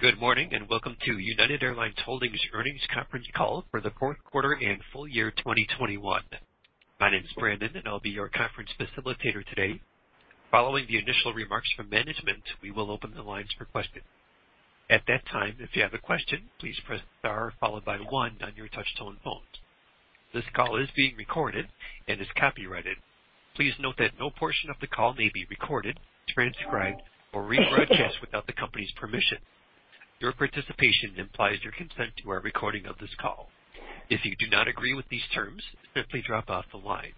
Good morning, and welcome to United Airlines Holdings Earnings Conference Call for Q4 and full year 2021. My name is Brandon, and I'll be your conference facilitator today. Following the initial remarks from management, we will open the lines for questions. At that time, if you have a question, please press star followed by one on your touchtone phone. This call is being recorded and is copyrighted. Please note that no portion of the call may be recorded, transcribed or rebroadcast without the company's permission. Your participation implies your consent to our recording of this call. If you do not agree with these terms, simply drop off the line.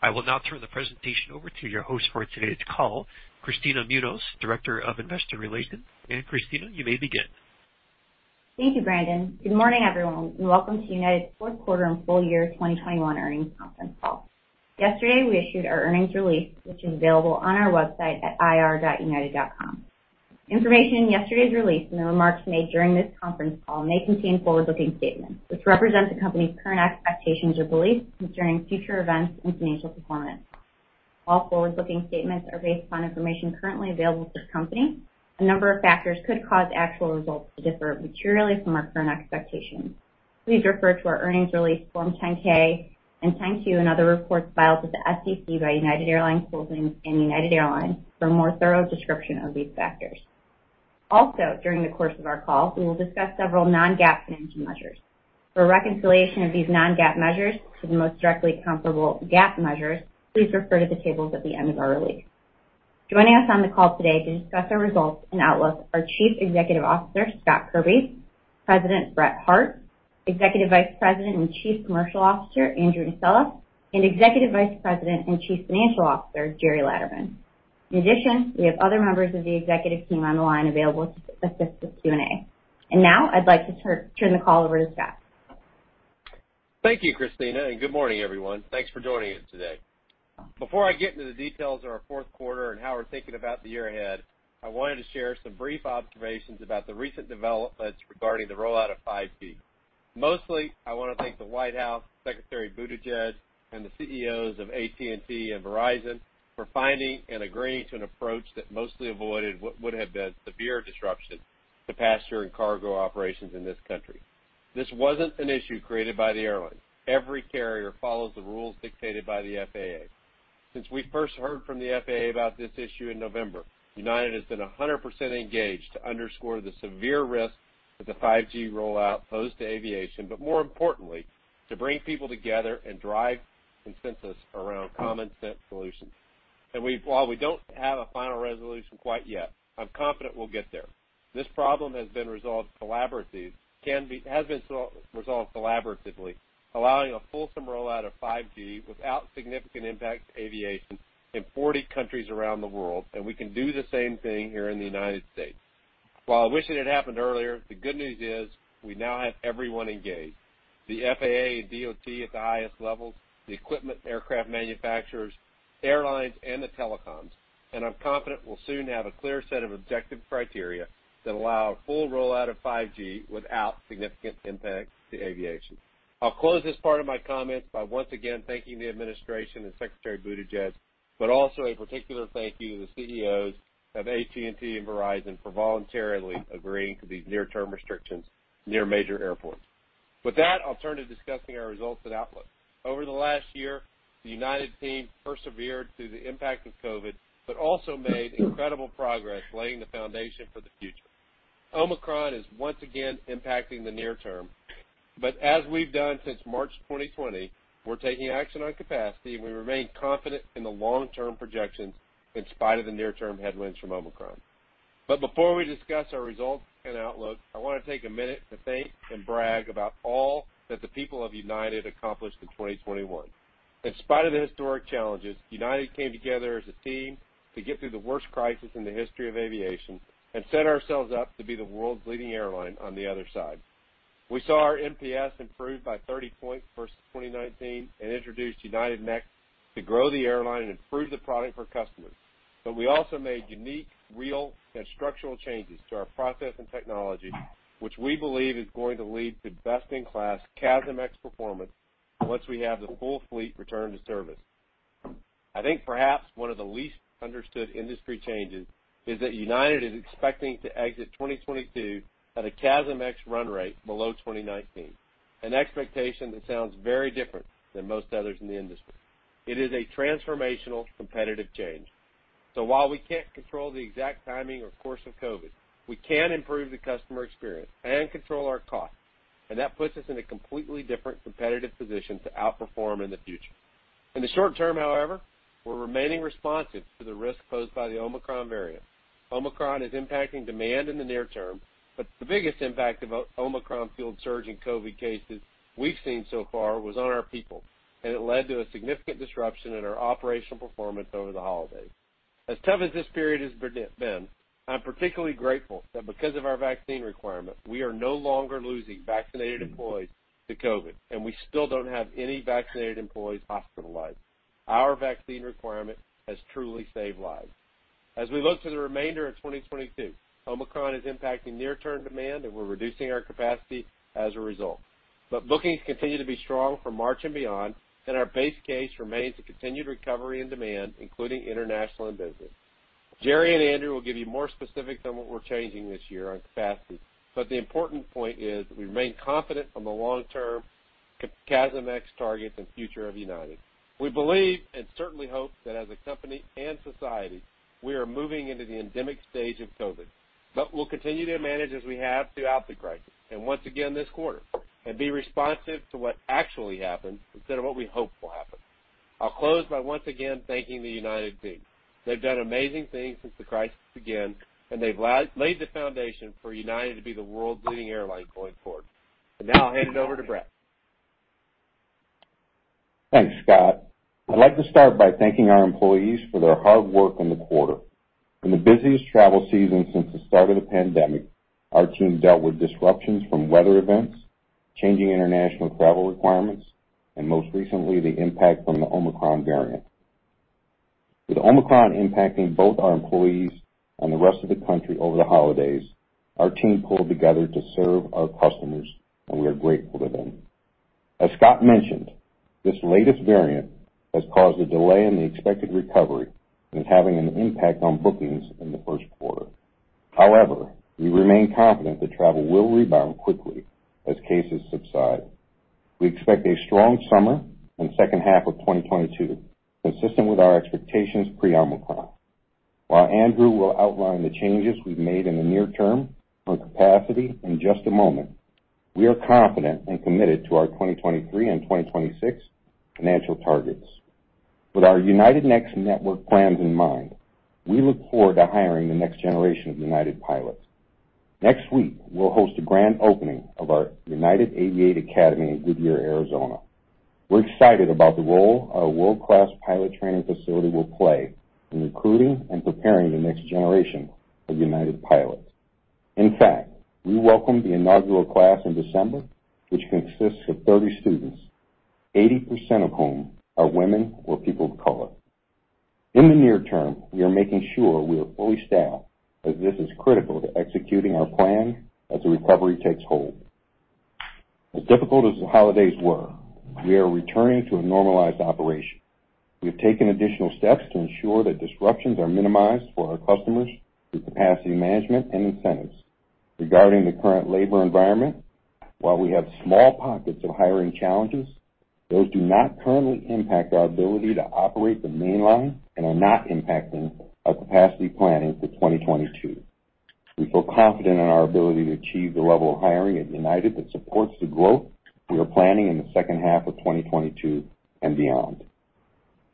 I will now turn the presentation over to your host for today's call, Kristina Munoz, Director of Investor Relations. Kristina Munoz, you may begin. Thank you, Brandon. Good morning, everyone, and welcome to United's Q4 and full year 2021 earnings conference call. Yesterday, we issued our earnings release, which is available on our website at ir.united.com. Information in yesterday's release and the remarks made during this conference call may contain forward-looking statements, which represent the company's current expectations or beliefs concerning future events and financial performance. All forward-looking statements are based on information currently available to the company. A number of factors could cause actual results to differ materially from our current expectations. Please refer to our earnings release, Form 10-K and 10-Q and other reports filed with the SEC by United Airlines Holdings and United Airlines for a more thorough description of these factors. Also, during the course of our call, we will discuss several non-GAAP financial measures. For a reconciliation of these non-GAAP measures to the most directly comparable GAAP measures, please refer to the tables at the end of our release. Joining us on the call today to discuss our results and outlook are Chief Executive Officer, Scott Kirby, President, Brett Hart, Executive Vice President and Chief Commercial Officer, Andrew Nocella, and Executive Vice President and Chief Financial Officer, Gerry Laderman. In addition, we have other members of the executive team on the line available to assist with Q&A. Now, I'd like to turn the call over to Scott. Thank you, Kristina, and good morning, everyone. Thanks for joining us today. Before I get into the details of our Q4 and how we're thinking about the year ahead, I wanted to share some brief observations about the recent developments regarding the rollout of 5G. Mostly, I wanna thank the White House, Secretary Buttigieg, and the CEOs of AT&T and Verizon for finding and agreeing to an approach that mostly avoided what would have been severe disruption to passenger and cargo operations in this country. This wasn't an issue created by the airlines. Every carrier follows the rules dictated by the FAA. Since we first heard from the FAA about this issue in November, United has been 100% engaged to underscore the severe risk that the 5G rollout posed to aviation, but more importantly, to bring people together and drive consensus around common sense solutions. While we don't have a final resolution quite yet, I'm confident we'll get there. This problem has been resolved collaboratively, allowing a fulsome rollout of 5G without significant impact to aviation in 40 countries around the world, and we can do the same thing here in the United States. While I wish it had happened earlier, the good news is we now have everyone engaged, the FAA and DOT at the highest levels, the equipment and aircraft manufacturers, airlines, and the telecoms. I'm confident we'll soon have a clear set of objective criteria that allow a full rollout of 5G without significant impact to aviation. I'll close this part of my comments by once again thanking the administration and Secretary Buttigieg, but also a particular thank you to the CEOs of AT&T and Verizon for voluntarily agreeing to these near-term restrictions near major airports. With that, I'll turn to discussing our results and outlook. Over the last year, the United team persevered through the impact of COVID, but also made incredible progress laying the foundation for the future. Omicron is once again impacting the near term, but as we've done since March 2020, we're taking action on capacity, and we remain confident in the long-term projections in spite of the near-term headwinds from Omicron. Before we discuss our results and outlook, I wanna take a minute to thank and brag about all that the people of United accomplished in 2021. In spite of the historic challenges, United came together as a team to get through the worst crisis in the history of aviation and set ourselves up to be the world's leading airline on the other side. We saw our NPS improve by 30 points versus 2019 and introduced United Next to grow the airline and improve the product for customers. We also made unique, real, and structural changes to our process and technology, which we believe is going to lead to best-in-class CASM-ex performance once we have the full fleet return to service. I think perhaps one of the least understood industry changes is that United is expecting to exit 2022 at a CASM-ex run rate below 2019, an expectation that sounds very different than most others in the industry. It is a transformational competitive change. while we can't control the exact timing or course of COVID, we can improve the customer experience and control our costs, and that puts us in a completely different competitive position to outperform in the future. In the short term, however, we're remaining responsive to the risk posed by the Omicron variant. Omicron is impacting demand in the near term, but the biggest impact of Omicron-fueled surge in COVID cases we've seen so far was on our people, and it led to a significant disruption in our operational performance over the holidays. As tough as this period has been, I'm particularly grateful that because of our vaccine requirement, we are no longer losing vaccinated employees to COVID, and we still don't have any vaccinated employees hospitalized. Our vaccine requirement has truly saved lives. As we look to the remainder of 2022, Omicron is impacting near-term demand, and we're reducing our capacity as a result. Bookings continue to be strong for March and beyond, and our base case remains a continued recovery in demand, including international and business. Gerry and Andrew will give you more specifics on what we're changing this year on capacity. The important point is we remain confident on the long-term CASM-ex targets and future of United. We believe, and certainly hope that as a company and society, we are moving into the endemic stage of COVID. We'll continue to manage as we have throughout the crisis, and once again this quarter, and be responsive to what actually happens instead of what we hope will happen. I'll close by once again thanking the United team. They've done amazing things since the crisis began, and they've laid the foundation for United to be the world's leading airline going forward. Now I'll hand it over to Brett. Thanks, Scott. I'd like to start by thanking our employees for their hard work in the quarter. In the busiest travel season since the start of the pandemic, our team dealt with disruptions from weather events, changing international travel requirements, and most recently, the impact from the Omicron variant. With Omicron impacting both our employees and the rest of the country over the holidays, our team pulled together to serve our customers, and we are grateful to them. As Scott mentioned, this latest variant has caused a delay in the expected recovery and is having an impact on bookings in Q1. However, we remain confident that travel will rebound quickly as cases subside. We expect a strong summer and H2 of 2022, consistent with our expectations pre-Omicron. While Andrew will outline the changes we've made in the near term on capacity in just a moment, we are confident and committed to our 2023 and 2026 financial targets. With our United Next network plans in mind, we look forward to hiring the next generation of United pilots. Next week, we'll host a grand opening of our United Aviate Academy in Goodyear, Arizona. We're excited about the role our world-class pilot training facility will play in recruiting and preparing the next generation of United pilots. In fact, we welcomed the inaugural class in December, which consists of 30 students, 80% of whom are women or people of color. In the near term, we are making sure we are fully staffed as this is critical to executing our plan as the recovery takes hold. As difficult as the holidays were, we are returning to a normalized operation. We have taken additional steps to ensure that disruptions are minimized for our customers through capacity management and incentives. Regarding the current labor environment, while we have small pockets of hiring challenges, those do not currently impact our ability to operate the mainline and are not impacting our capacity planning for 2022. We feel confident in our ability to achieve the level of hiring at United that supports the growth we are planning in H2 of 2022 and beyond.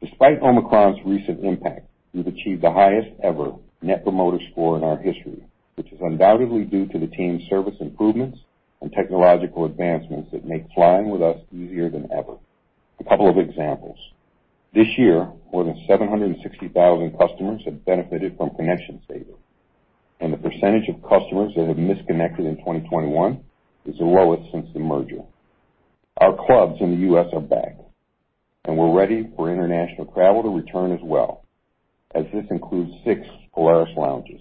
Despite Omicron's recent impact, we've achieved the highest ever Net Promoter Score in our history, which is undoubtedly due to the team's service improvements and technological advancements that make flying with us easier than ever. A couple of examples. This year, more than 760,000 customers have benefited from connection savings, and the percentage of customers that have misconnected in 2021 is the lowest since the merger. Our clubs in the U.S. are back, and we're ready for international travel to return as well, as this includes six Polaris lounges.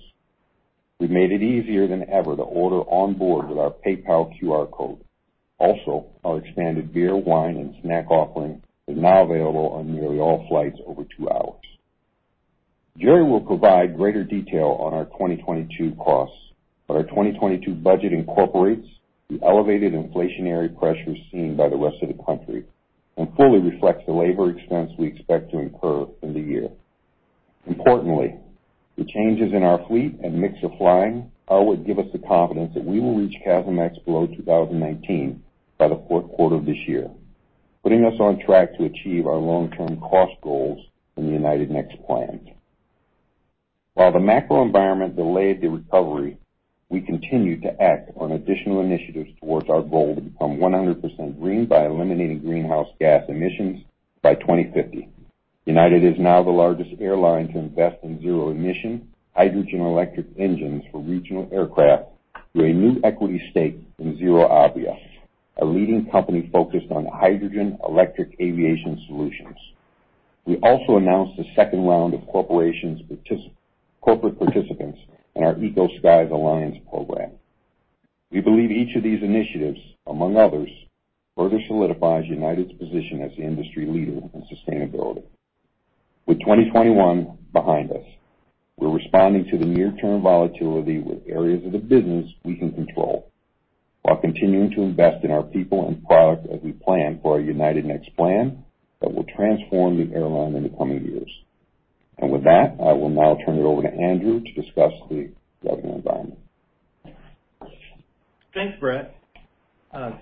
We've made it easier than ever to order on board with our PayPal QR code. Also, our expanded beer, wine, and snack offering is now available on nearly all flights over two hours. Gerry will provide greater detail on our 2022 costs, but our 2022 budget incorporates the elevated inflationary pressures seen by the rest of the country and fully reflects the labor expense we expect to incur in the year. Importantly, the changes in our fleet and mix of flying are what give us the confidence that we will reach CASM-ex below 2019 by Q4 of this year, putting us on track to achieve our long-term cost goals in the United Next plans. While the macro environment delayed the recovery, we continued to act on additional initiatives towards our goal to become 100% green by eliminating greenhouse gas emissions by 2050. United is now the largest airline to invest in zero-emission hydrogen electric engines for regional aircraft through a new equity stake in ZeroAvia, a leading company focused on hydrogen electric aviation solutions. We also announced the second round of corporate participants in our Eco-Skies Alliance program. We believe each of these initiatives, among others, further solidifies United's position as the industry leader in sustainability. With 2021 behind us, we're responding to the near-term volatility with areas of the business we can control while continuing to invest in our people and product as we plan for our United Next plan that will transform the airline in the coming years. With that, I will now turn it over to Andrew to discuss the revenue environment. Thanks, Brett.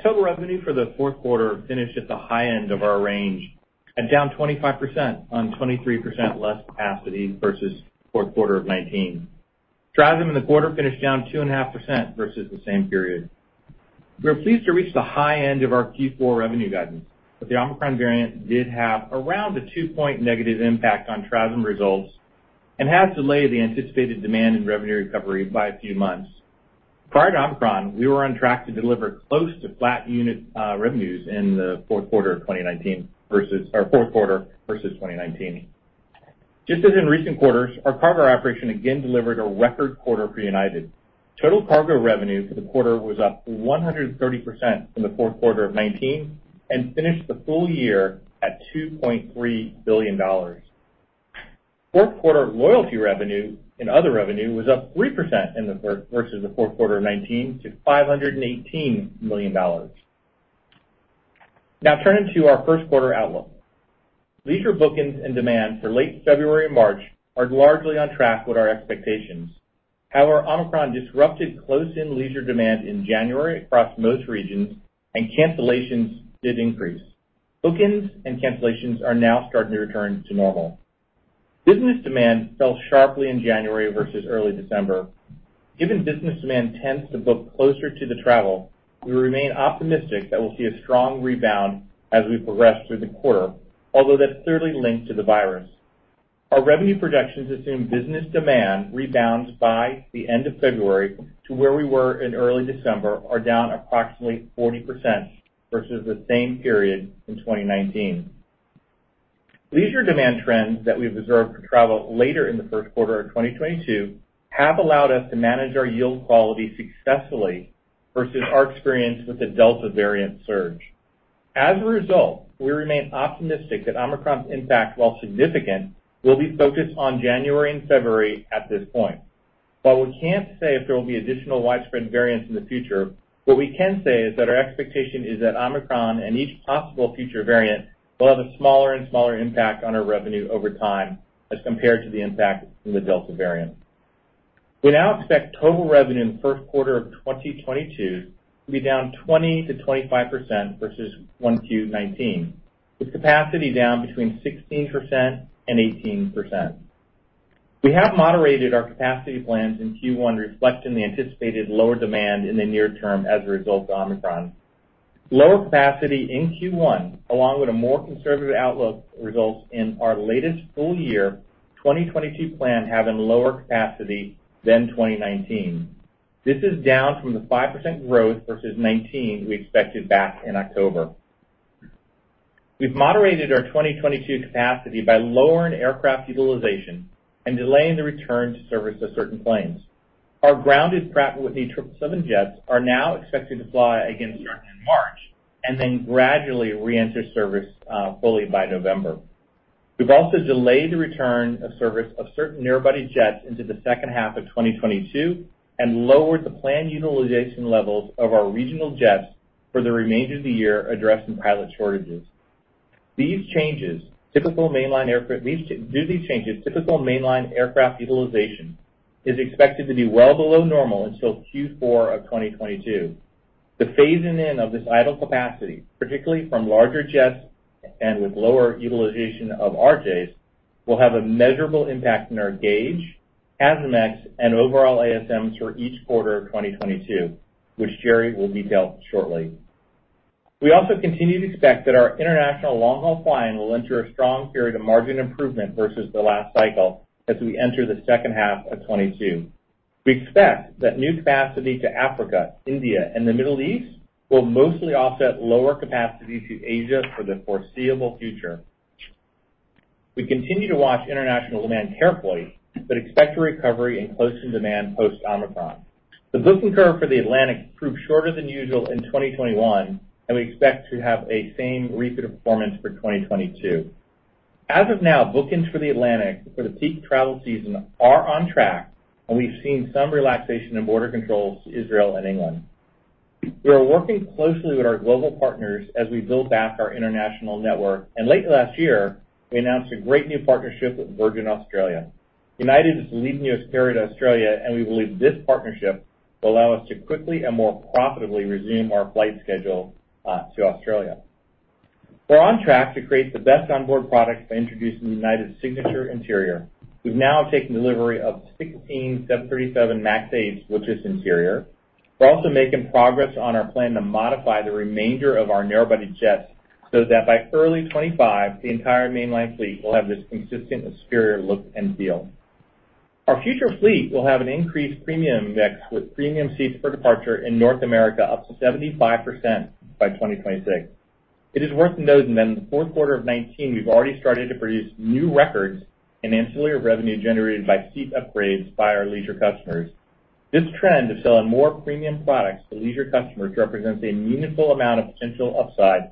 Total revenue for Q4 finished at the high end of our range and down 25% on 23% less capacity versus Q4 of 2019. TRASM in the quarter finished down 2.5% versus the same period. We're pleased to reach the high end of our Q4 revenue guidance, but the Omicron variant did have around a two-point negative impact on TRASM results and has delayed the anticipated demand in revenue recovery by a few months. Prior to Omicron, we were on track to deliver close to flat unit revenues in Q4 of 2019 versus Q1 of 2019. Just as in recent quarters, our cargo operation again delivered a record quarter for United. Total cargo revenue for the quarter was up 130% from the fourth quarter of 2019 and finished the full year at $2.3 billion. Q4 loyalty revenue and other revenue was up 3% versus Q4 of 2019 to $518 million. Now turning to our Q1 outlook. Leisure bookings and demand for late February and March are largely on track with our expectations. However, Omicron disrupted close-in leisure demand in January across most regions and cancellations did increase. Bookings and cancellations are now starting to return to normal. Business demand fell sharply in January versus early December. Given business demand tends to book closer to the travel, we remain optimistic that we'll see a strong rebound as we progress through the quarter, although that's clearly linked to the virus. Our revenue projections assume business demand rebounds by the end of February to where we were in early December are down approximately 40% versus the same period in 2019. Leisure demand trends that we've observed travel later in Q1 of 2022 have allowed us to manage our yield quality successfully versus our experience with the Delta variant surge. As a result, we remain optimistic that Omicron's impact, while significant, will be focused on January and February at this point. While we can't say if there will be additional widespread variants in the future, what we can say is that our expectation is that Omicron and each possible future variant will have a smaller and smaller impact on our revenue over time as compared to the impact from the Delta variant. We now expect total revenue in Q1 of 2022 to be down 20%-25% versus 1Q 2019, with capacity down 16%-18%. We have moderated our capacity plans in Q1, reflecting the anticipated lower demand in the near term as a result of Omicron. Lower capacity in Q1, along with a more conservative outlook, results in our latest full year 2022 plan having lower capacity than 2019. This is down from the 5% growth versus 2019 we expected back in October. We've moderated our 2022 capacity by lowering aircraft utilization and delaying the return to service of certain planes. Our grounded Pratt & Whitney 777 jets are now expected to fly again starting in March, and then gradually reenter service, fully by November. We've also delayed the return of service of certain narrow-body jets into H2 of 2022 and lowered the planned utilization levels of our regional jets for the remainder of the year, addressing pilot shortages. Due to these changes, typical mainline aircraft utilization is expected to be well below normal until Q4 of 2022. The phasing in of this idle capacity, particularly from larger jets and with lower utilization of RJs, will have a measurable impact on our gauge, ASMs and overall ASM through each quarter of 2022, which Gerry will detail shortly. We also continue to expect that our international long-haul flying will enter a strong period of margin improvement versus the last cycle as we enter H2 of 2022. We expect that new capacity to Africa, India and the Middle East will mostly offset lower capacity to Asia for the foreseeable future. We continue to watch international demand carefully, but expect a recovery in close-in demand post Omicron. The booking curve for the Atlantic proved shorter than usual in 2021, and we expect to have the same repeat of performance for 2022. As of now, bookings for the Atlantic for the peak travel season are on track, and we've seen some relaxation in border controls to Israel and England. We are working closely with our global partners as we build back our international network. Late last year, we announced a great new partnership with Virgin Australia. United is the leading carrier to Australia, and we believe this partnership will allow us to quickly and more profitably resume our flight schedule, to Australia. We're on track to create the best onboard product by introducing United's signature interior. We've now taken delivery of 16 737 MAX 8s with this interior. We're also making progress on our plan to modify the remainder of our narrow-body jets so that by early 2025, the entire mainline fleet will have this consistent and superior look and feel. Our future fleet will have an increased premium mix with premium seats per departure in North America up to 75% by 2026. It is worth noting that in Q4 of 2019 we've already started to produce new records in ancillary revenue generated by seat upgrades by our leisure customers. This trend of selling more premium products to leisure customers represents a meaningful amount of potential upside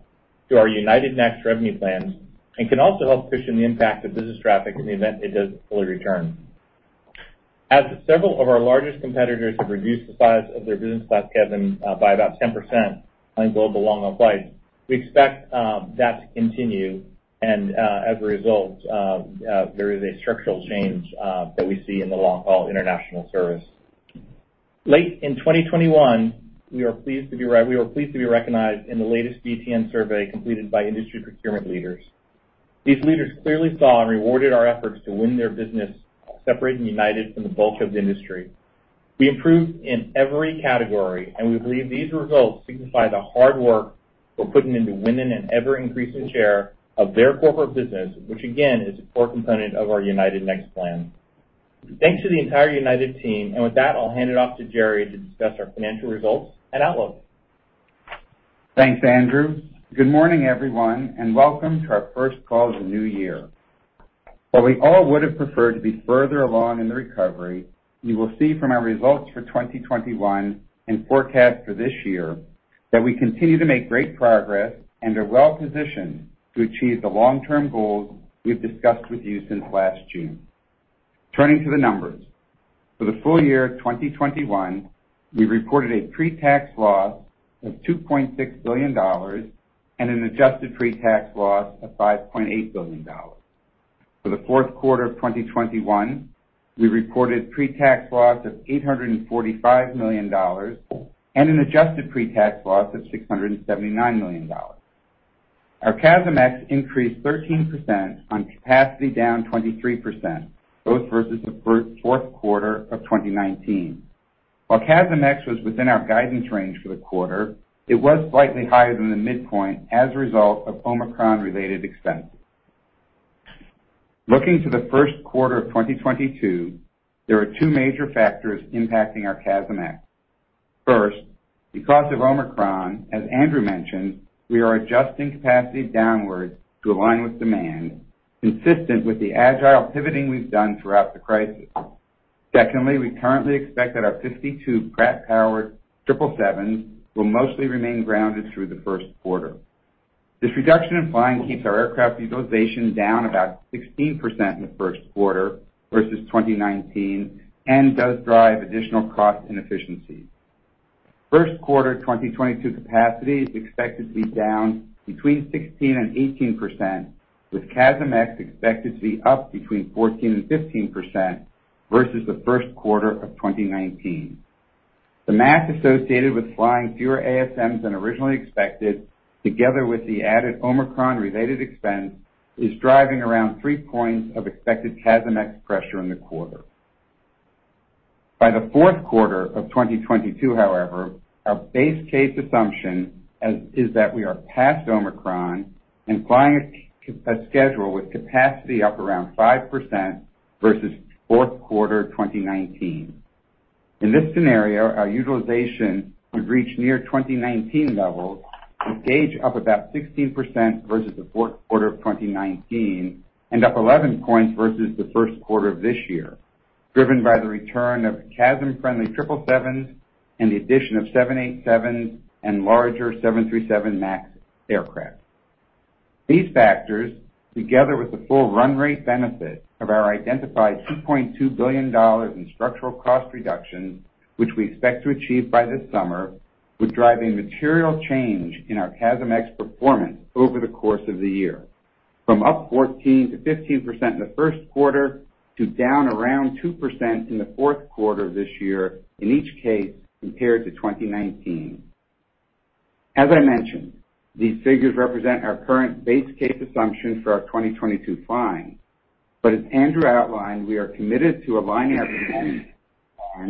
to our United Next revenue plans and can also help cushion the impact of business traffic in the event it doesn't fully return. As several of our largest competitors have reduced the size of their business class cabin by about 10% on global long-haul flights, we expect that to continue, and as a result, there is a structural change that we see in the long-haul international service. Late in 2021, we were pleased to be recognized in the latest BTN survey completed by industry procurement leaders. These leaders clearly saw and rewarded our efforts to win their business, separating United from the bulk of the industry. We improved in every category, and we believe these results signify the hard work we're putting into winning an ever-increasing share of their corporate business, which again is a core component of our United Next plan. Thanks to the entire United team. With that, I'll hand it off to Gerry to discuss our financial results and outlook. Thanks, Andrew. Good morning, everyone, and welcome to our first call of the new year. While we all would have preferred to be further along in the recovery, you will see from our results for 2021 and forecast for this year that we continue to make great progress and are well positioned to achieve the long-term goals we've discussed with you since last June. Turning to the numbers. For the full year of 2021, we reported a pre-tax loss of $2.6 billion and an adjusted pre-tax loss of $5.8 billion. For Q4 of 2021, we reported pre-tax loss of $845 million and an adjusted pre-tax loss of $679 million. Our CASM-ex increased 13% on capacity down 23%, both versus Q4 of 2019. While CASM-ex was within our guidance range for the quarter, it was slightly higher than the midpoint as a result of Omicron-related expenses. Looking to Q1 of 2022, there are two major factors impacting our CASM-ex. First, because of Omicron, as Andrew mentioned, we are adjusting capacity downwards to align with demand, consistent with the agile pivoting we've done throughout the crisis. Secondly, we currently expect that our 52 Pratt & Whitney-powered 777s will mostly remain grounded through Q1. This reduction in flying keeps our aircraft utilization down about 16% in Q1 versus 2019 and does drive additional cost inefficiencies. Q1 2022 capacity is expected to be down between 16% and 18%, with CASM-ex expected to be up between 14% and 15% versus Q1 of 2019. The math associated with flying fewer ASMs than originally expected, together with the added Omicron-related expense, is driving around three points of expected CASM-ex pressure in the quarter. By Q4 of 2022, however, our base case assumption is that we are past Omicron and flying a schedule with capacity up around 5% versus Q4 of 2019. In this scenario, our utilization would reach near 2019 levels with gauge up about 16% versus the fourth quarter of 2019 and up 11 points versus Q1 of this year, driven by the return of CASM-friendly 777s and the addition of 787s and larger 737 MAX aircraft. These factors, together with the full run rate benefit of our identified $2.2 billion in structural cost reductions, which we expect to achieve by this summer, was driving material change in our CASM-ex performance over the course of the year, from up 14%-15% in Q1 to down around 2% in Q4 this year, in each case, compared to 2019. As I mentioned, these figures represent our current base case assumption for our 2022 flying. as Andrew outlined, we are committed to aligning our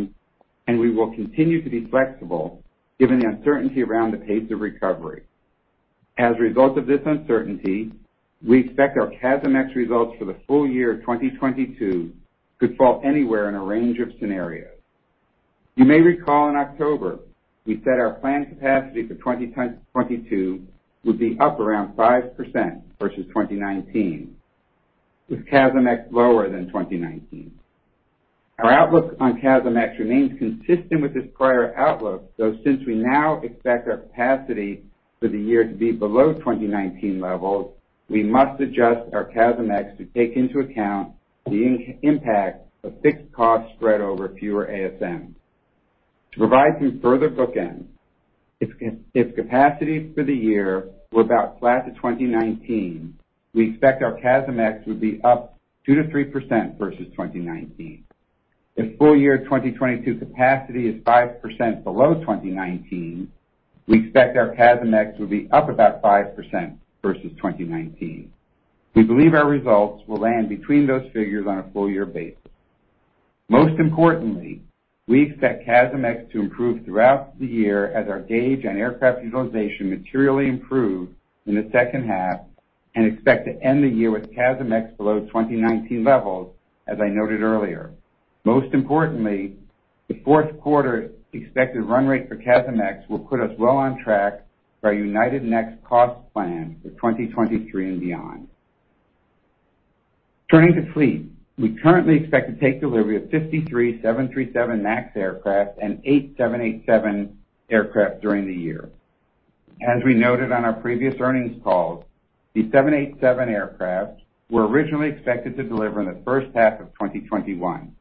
and we will continue to be flexible given the uncertainty around the pace of recovery. As a result of this uncertainty, we expect our CASM-ex results for the full year of 2022 could fall anywhere in a range of scenarios. You may recall in October, we said our planned capacity for 2022 would be up around 5% versus 2019, with CASM-ex lower than 2019. Our outlook on CASM-ex remains consistent with this prior outlook, though, since we now expect our capacity for the year to be below 2019 levels, we must adjust our CASM-ex to take into account the impact of fixed costs spread over fewer ASMs. To provide some further bookend, if capacity for the year were about flat to 2019, we expect our CASM-ex would be up 2%-3% versus 2019. If full year 2022 capacity is 5% below 2019, we expect our CASM-ex will be up about 5% versus 2019. We believe our results will land between those figures on a full year basis. Most importantly, we expect CASM-ex to improve throughout the year as our gauge on aircraft utilization materially improve in H2 and expect to end the year with CASM-ex below 2019 levels, as I noted earlier. Most importantly, Q4 expected run rate for CASM-ex will put us well on track for our United Next cost plan for 2023 and beyond. Turning to fleet. We currently expect to take delivery of 53 737 MAX aircraft and 8 787 aircraft during the year. As we noted on our previous earnings calls, the 787 aircraft were originally expected to deliver in H1 of 2021.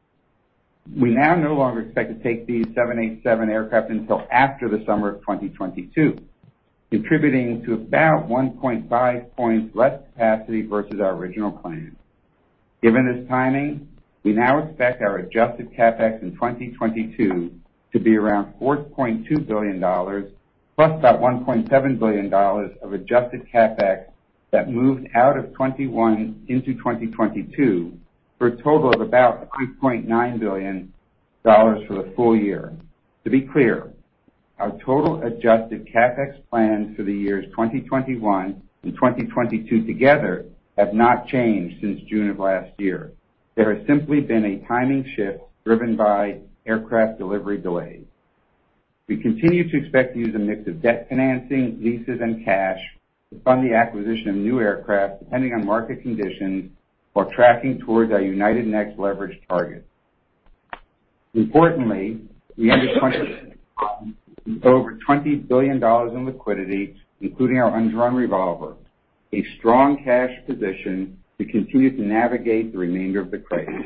We now no longer expect to take these 787 aircraft until after the summer of 2022, contributing to about 1.5 points less capacity versus our original plan. Given this timing, we now expect our adjusted CapEx in 2022 to be around $4.2 billion plus about $1.7 billion of adjusted CapEx that moved out of 2021 into 2022 for a total of about $3.9 billion for the full year. To be clear, our total adjusted CapEx plans for the years 2021 and 2022 together have not changed since June of last year. There has simply been a timing shift driven by aircraft delivery delays. We continue to expect to use a mix of debt financing, leases, and cash to fund the acquisition of new aircraft depending on market conditions, while tracking towards our United Next leverage target. Importantly, we had over $20 billion in liquidity, including our undrawn revolver, a strong cash position to continue to navigate the remainder of the crisis.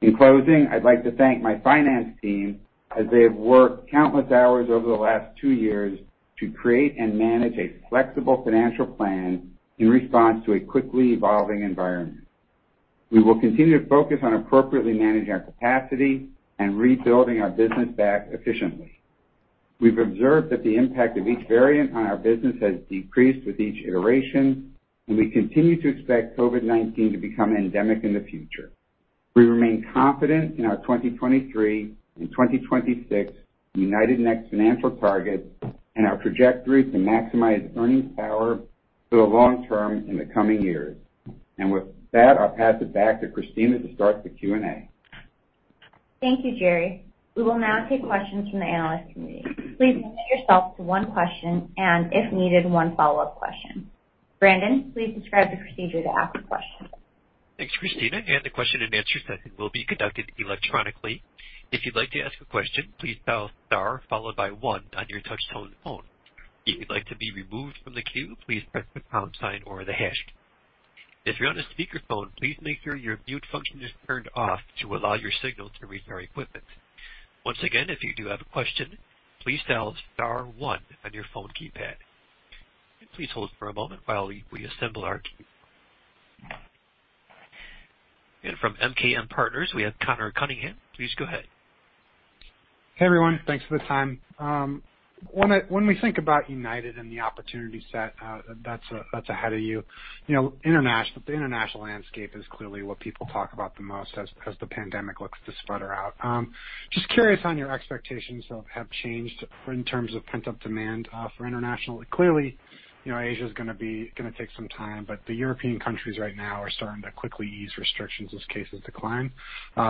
In closing, I'd like to thank my finance team as they have worked countless hours over the last 2 years to create and manage a flexible financial plan in response to a quickly evolving environment. We will continue to focus on appropriately managing our capacity and rebuilding our business back efficiently. We've observed that the impact of each variant on our business has decreased with each iteration, and we continue to expect COVID-19 to become endemic in the future. We remain confident in our 2023 and 2026 United Next financial targets and our trajectory to maximize earnings power for the long term in the coming years. With that, I'll pass it back to Kristina to start the Q&A. Thank you, Gerry. We will now take questions from the analyst community. Please limit yourself to one question and, if needed, one follow-up question. Brandon, please describe the procedure to ask a question. Thanks, Kristina. The question-and-answer session will be conducted electronically. If you'd like to ask a question, please dial star followed by one on your touch-tone phone. If you'd like to be removed from the queue, please press the pound sign or the hash key. If you're on a speakerphone, please make sure your mute function is turned off to allow your signal to reach our equipment. Once again, if you do have a question, please dial star one on your phone keypad. Please hold for a moment while we assemble our queue. From MKM Partners, we have Conor Cunningham. Please go ahead. Hey, everyone. Thanks for the time. When we think about United and the opportunity set that's ahead of you know, international landscape is clearly what people talk about the most as the pandemic looks to sputter out. Just curious on your expectations have changed in terms of pent-up demand for international. Clearly, you know, Asia is gonna take some time, but the European countries right now are starting to quickly ease restrictions as cases decline,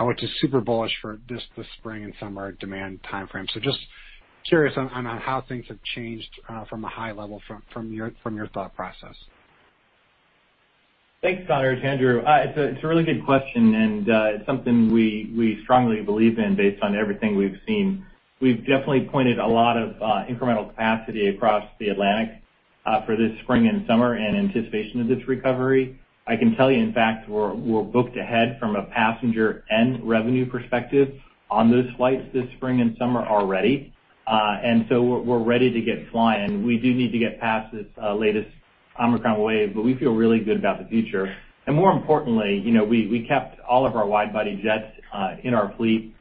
which is super bullish for this spring and summer demand timeframe. Just curious on how things have changed from a high level from your thought process. Thanks, Conor. It's Andrew. It's a really good question, and it's something we strongly believe in based on everything we've seen. We've definitely pointed a lot of incremental capacity across the Atlantic for this spring and summer in anticipation of this recovery. I can tell you, in fact, we're booked ahead from a passenger and revenue perspective on those flights this spring and summer already. We're ready to get flying. We do need to get past this latest Omicron wave, but we feel really good about the future. More importantly, you know, we kept all of our wide-body jets in our fleet.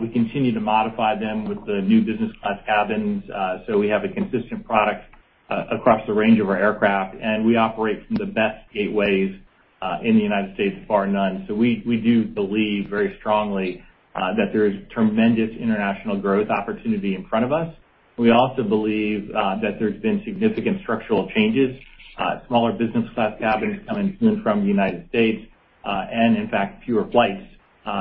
We continue to modify them with the new business class cabins, so we have a consistent product across the range of our aircraft, and we operate from the best gateways in the United States, bar none. We do believe very strongly that there is tremendous international growth opportunity in front of us. We also believe that there's been significant structural changes, smaller business class cabins coming in from the United States, and in fact, fewer flights.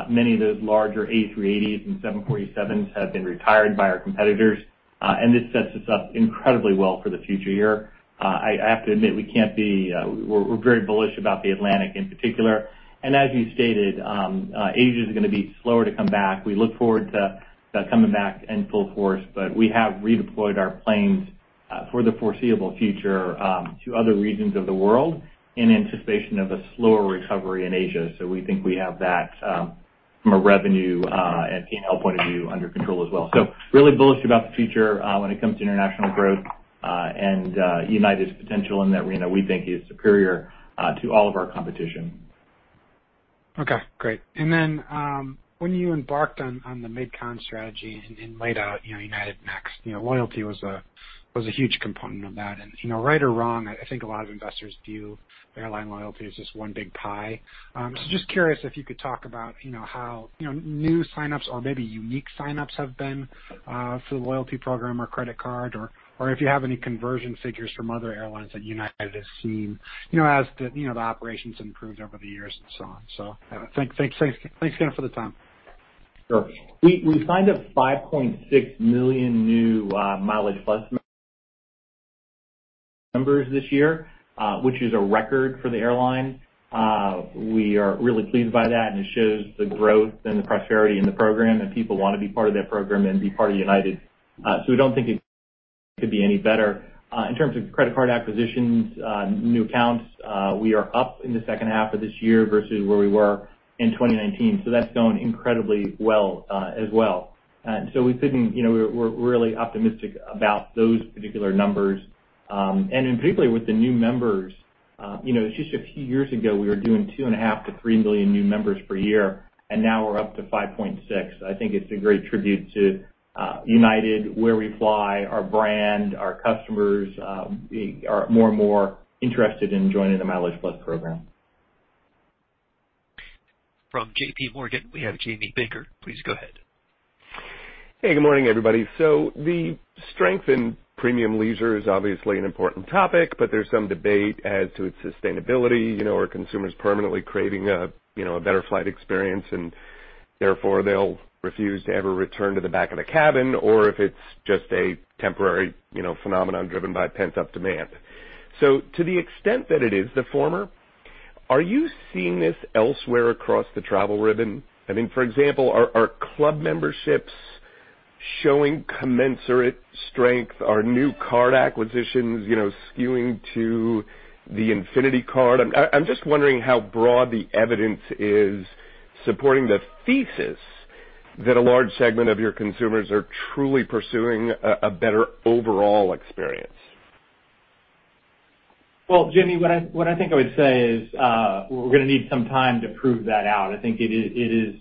Many of those larger A380s and 747s have been retired by our competitors, and this sets us up incredibly well for the future year. I have to admit, we're very bullish about the Atlantic in particular. As you stated, Asia is gonna be slower to come back. We look forward to coming back in full force, but we have redeployed our planes for the foreseeable future to other regions of the world in anticipation of a slower recovery in Asia. We think we have that from a revenue and P&L point of view under control as well. Really bullish about the future when it comes to international growth and United's potential in that arena, we think is superior to all of our competition. Okay, great. When you embarked on the mid-con strategy and laid out, you know, United Next, you know, loyalty was a huge component of that. You know, right or wrong, I think a lot of investors view airline loyalty as just one big pie. Just curious if you could talk about, you know, how, you know, new sign-ups or maybe unique sign-ups have been for the loyalty program or credit card, or if you have any conversion figures from other airlines that United has seen, you know, as the, you know, the operations improved over the years and so on. Thanks again for the time. Sure. We signed up 5.6 million new MileagePlus members this year, which is a record for the airline. We are really pleased by that, and it shows the growth and the prosperity in the program, and people wanna be part of that program and be part of United. We don't think it could be any better. In terms of credit card acquisitions, new accounts, we are up in the second half of this year versus where we were in 2019, so that's going incredibly well, as well. You know, we're really optimistic about those particular numbers. In particular with the new members, you know, it's just a few years ago, we were doing 2.5-3 million new members per year, and now we're up to 5.6. I think it's a great tribute to United, where we fly, our brand, our customers are more and more interested in joining the MileagePlus program. From JPMorgan, we have Jamie Baker. Please go ahead. Hey, good morning, everybody. The strength in premium leisure is obviously an important topic, but there's some debate as to its sustainability, you know, are consumers permanently creating a, you know, a better flight experience, and therefore they'll refuse to ever return to the back of the cabin, or if it's just a temporary, you know, phenomenon driven by pent-up demand. To the extent that it is the former, are you seeing this elsewhere across the travel ribbon? I mean, for example, are club memberships showing commensurate strength? Are new card acquisitions, you know, skewing to the Infinity card? I'm just wondering how broad the evidence is supporting the thesis that a large segment of your consumers are truly pursuing a better overall experience. Well, Jamie, what I think I would say is, we're gonna need some time to prove that out. I think it is,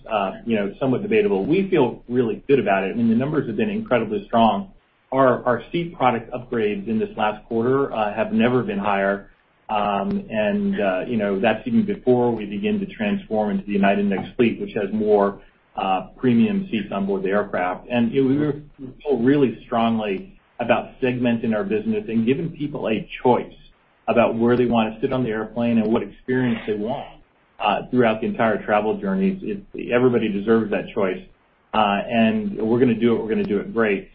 you know, somewhat debatable. We feel really good about it, and the numbers have been incredibly strong. Our seat product upgrades in this last quarter have never been higher. You know, that's even before we begin to transform into the United Next fleet, which has more premium seats on board the aircraft. You know, we feel really strongly about segmenting our business and giving people a choice about where they wanna sit on the airplane and what experience they want throughout the entire travel journey. Everybody deserves that choice, and we're gonna do it great.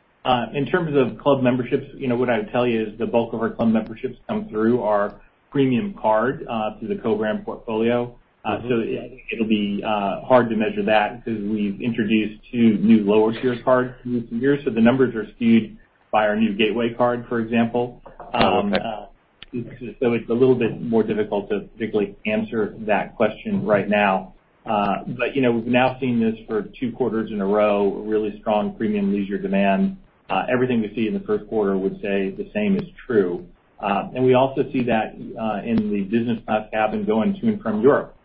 In terms of club memberships, you know, what I would tell you is the bulk of our club memberships come through our premium card, through the co-brand portfolio. Mm-hmm. It'll be hard to measure that because we've introduced two new lower tier cards this year. The numbers are skewed by our new Gateway Card, for example. Okay. It's a little bit more difficult to particularly answer that question right now. You know, we've now seen this for two quarters in a row, really strong premium leisure demand. Everything we see in the first quarter would say the same is true. We also see that in the business class cabin going to and from Europe,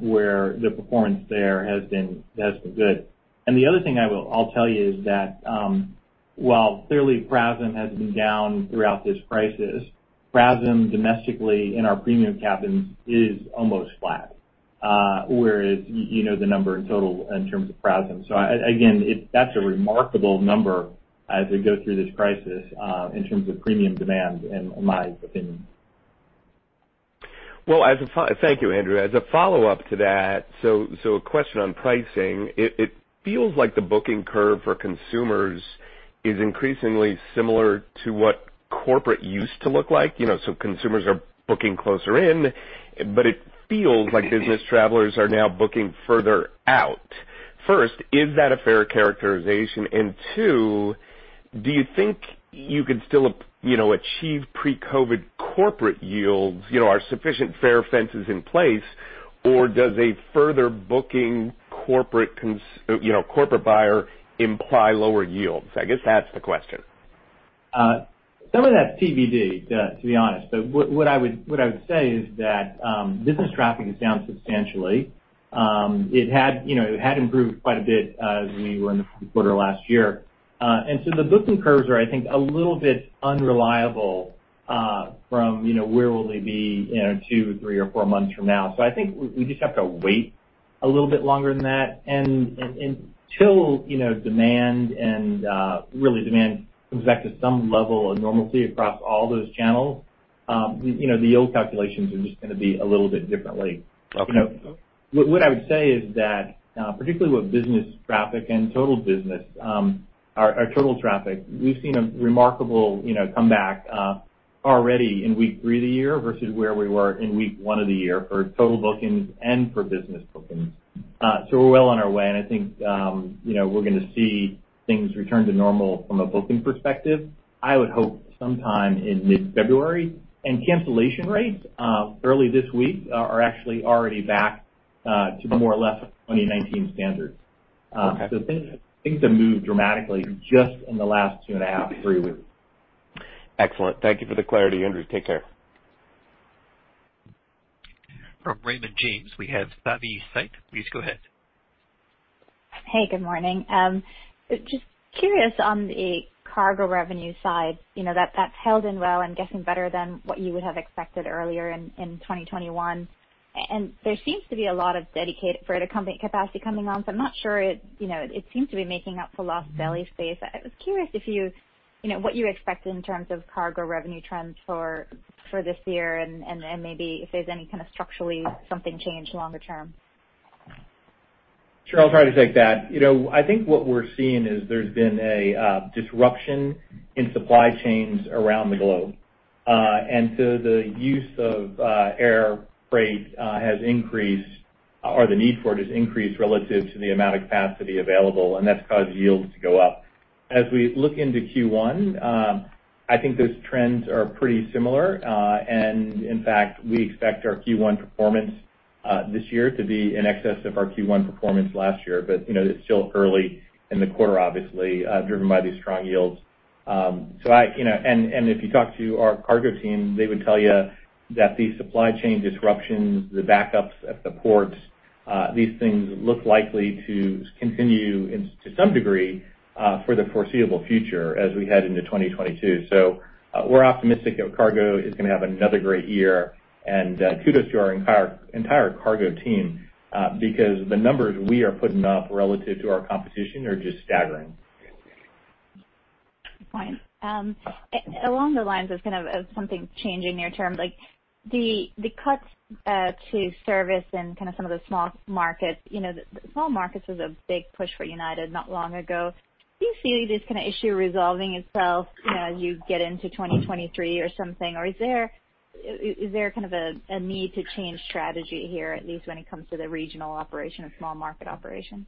where the performance there has been good. The other thing I'll tell you is that, while clearly PRASM has been down throughout this crisis, PRASM domestically in our premium cabins is almost flat, whereas you know the number in total in terms of PRASM. That's a remarkable number as we go through this crisis, in terms of premium demand, in my opinion. Thank you, Andrew. As a follow-up to that, a question on pricing. It feels like the booking curve for consumers is increasingly similar to what corporate used to look like. You know, so consumers are booking closer in, but it feels like business travelers are now booking further out. First, is that a fair characterization? Two, do you think you could still, you know, achieve pre-COVID corporate yields? You know, are sufficient fare fences in place, or does a further booking corporate buyer imply lower yields? I guess that's the question. Some of that's TBD, to be honest. What I would say is that business traffic is down substantially. It had, you know, improved quite a bit as we were in the quarter last year. The booking curves are, I think, a little bit unreliable from, you know, where will they be, you know, two, three or four months from now. I think we just have to wait a little bit longer than that. Until, you know, demand really comes back to some level of normalcy across all those channels, you know, the yield calculations are just gonna be a little bit differently. Okay. You know, what I would say is that, particularly with business traffic and total business, our total traffic, we've seen a remarkable, you know, comeback, already in week 3 of the year versus where we were in week 1 of the year for total bookings and for business bookings. So we're well on our way, and I think, you know, we're gonna see things return to normal from a booking perspective, I would hope sometime in mid-February. Cancellation rates early this week are actually already back to more or less 2019 standards. Okay. Things have moved dramatically just in the last 2.5-3 weeks. Excellent. Thank you for the clarity, Andrew. Take care. From Raymond James, we have Savanthi Syth. Please go ahead. Hey, good morning. Just curious on the cargo revenue side, you know, that's held up well and getting better than what you would have expected earlier in 2021. There seems to be a lot of dedicated freight accompanying capacity coming on, so I'm not sure it, you know, seems to be making up for lost belly space. I was curious if you know, what you expect in terms of cargo revenue trends for this year, and maybe if there's any kind of structurally something changed longer term. Sure. I'll try to take that. You know, I think what we're seeing is there's been a disruption in supply chains around the globe. The use of air freight has increased, or the need for it has increased relative to the amount of capacity available, and that's caused yields to go up. As we look into Q1, I think those trends are pretty similar. In fact, we expect our Q1 performance this year to be in excess of our Q1 performance last year. You know, it's still early in the quarter, obviously, driven by these strong yields. You know, if you talk to our cargo team, they would tell you that the supply chain disruptions, the backups at the ports, these things look likely to continue into some degree for the foreseeable future as we head into 2022. We're optimistic that cargo is gonna have another great year. Kudos to our entire cargo team because the numbers we are putting up relative to our competition are just staggering. Great point. Along the lines of kind of something changing near term, like the cuts to service and kind of some of the small markets, you know, the small markets was a big push for United not long ago. Do you see this kind of issue resolving itself, you know, as you get into 2023 or something? Is there kind of a need to change strategy here, at least when it comes to the regional operation and small market operation?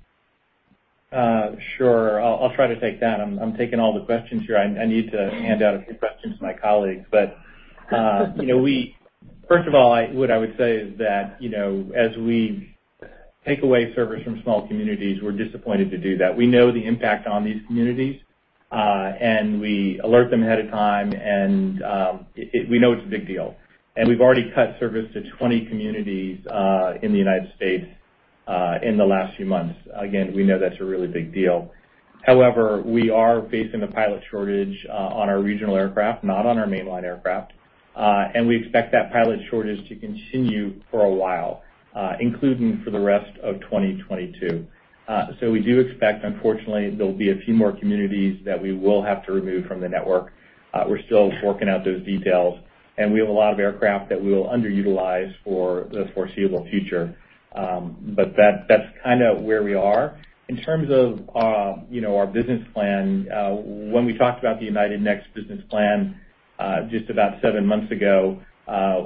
Sure. I'll try to take that. I'm taking all the questions here. I need to hand out a few questions to my colleagues. You know, we first of all, what I would say is that, you know, as we take away service from small communities, we're disappointed to do that. We know the impact on these communities, and we alert them ahead of time, and we know it's a big deal. We've already cut service to 20 communities in the United States in the last few months. Again, we know that's a really big deal. However, we are facing a pilot shortage on our regional aircraft, not on our mainline aircraft. We expect that pilot shortage to continue for a while, including for the rest of 2022. We do expect, unfortunately, there'll be a few more communities that we will have to remove from the network. We're still working out those details, and we have a lot of aircraft that we will underutilize for the foreseeable future. That's kind of where we are. In terms of you know, our business plan, when we talked about the United Next business plan, just about seven months ago,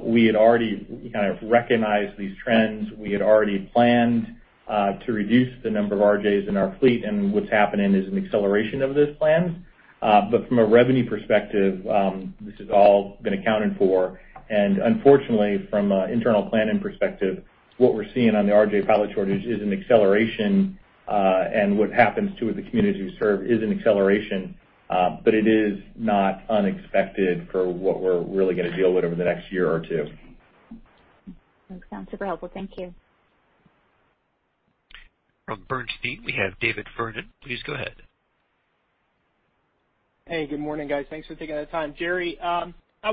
we had already kind of recognized these trends. We had already planned to reduce the number of RJs in our fleet, and what's happening is an acceleration of those plans. From a revenue perspective, this has all been accounted for. Unfortunately, from an internal planning perspective, what we're seeing on the RJ pilot shortage is an acceleration. What happens to the communities we serve is an acceleration, but it is not unexpected for what we're really gonna deal with over the next year or two. That sounds super helpful. Thank you. From Bernstein, we have David Vernon. Please go ahead. Hey, good morning, guys. Thanks for taking the time. Gerry, I was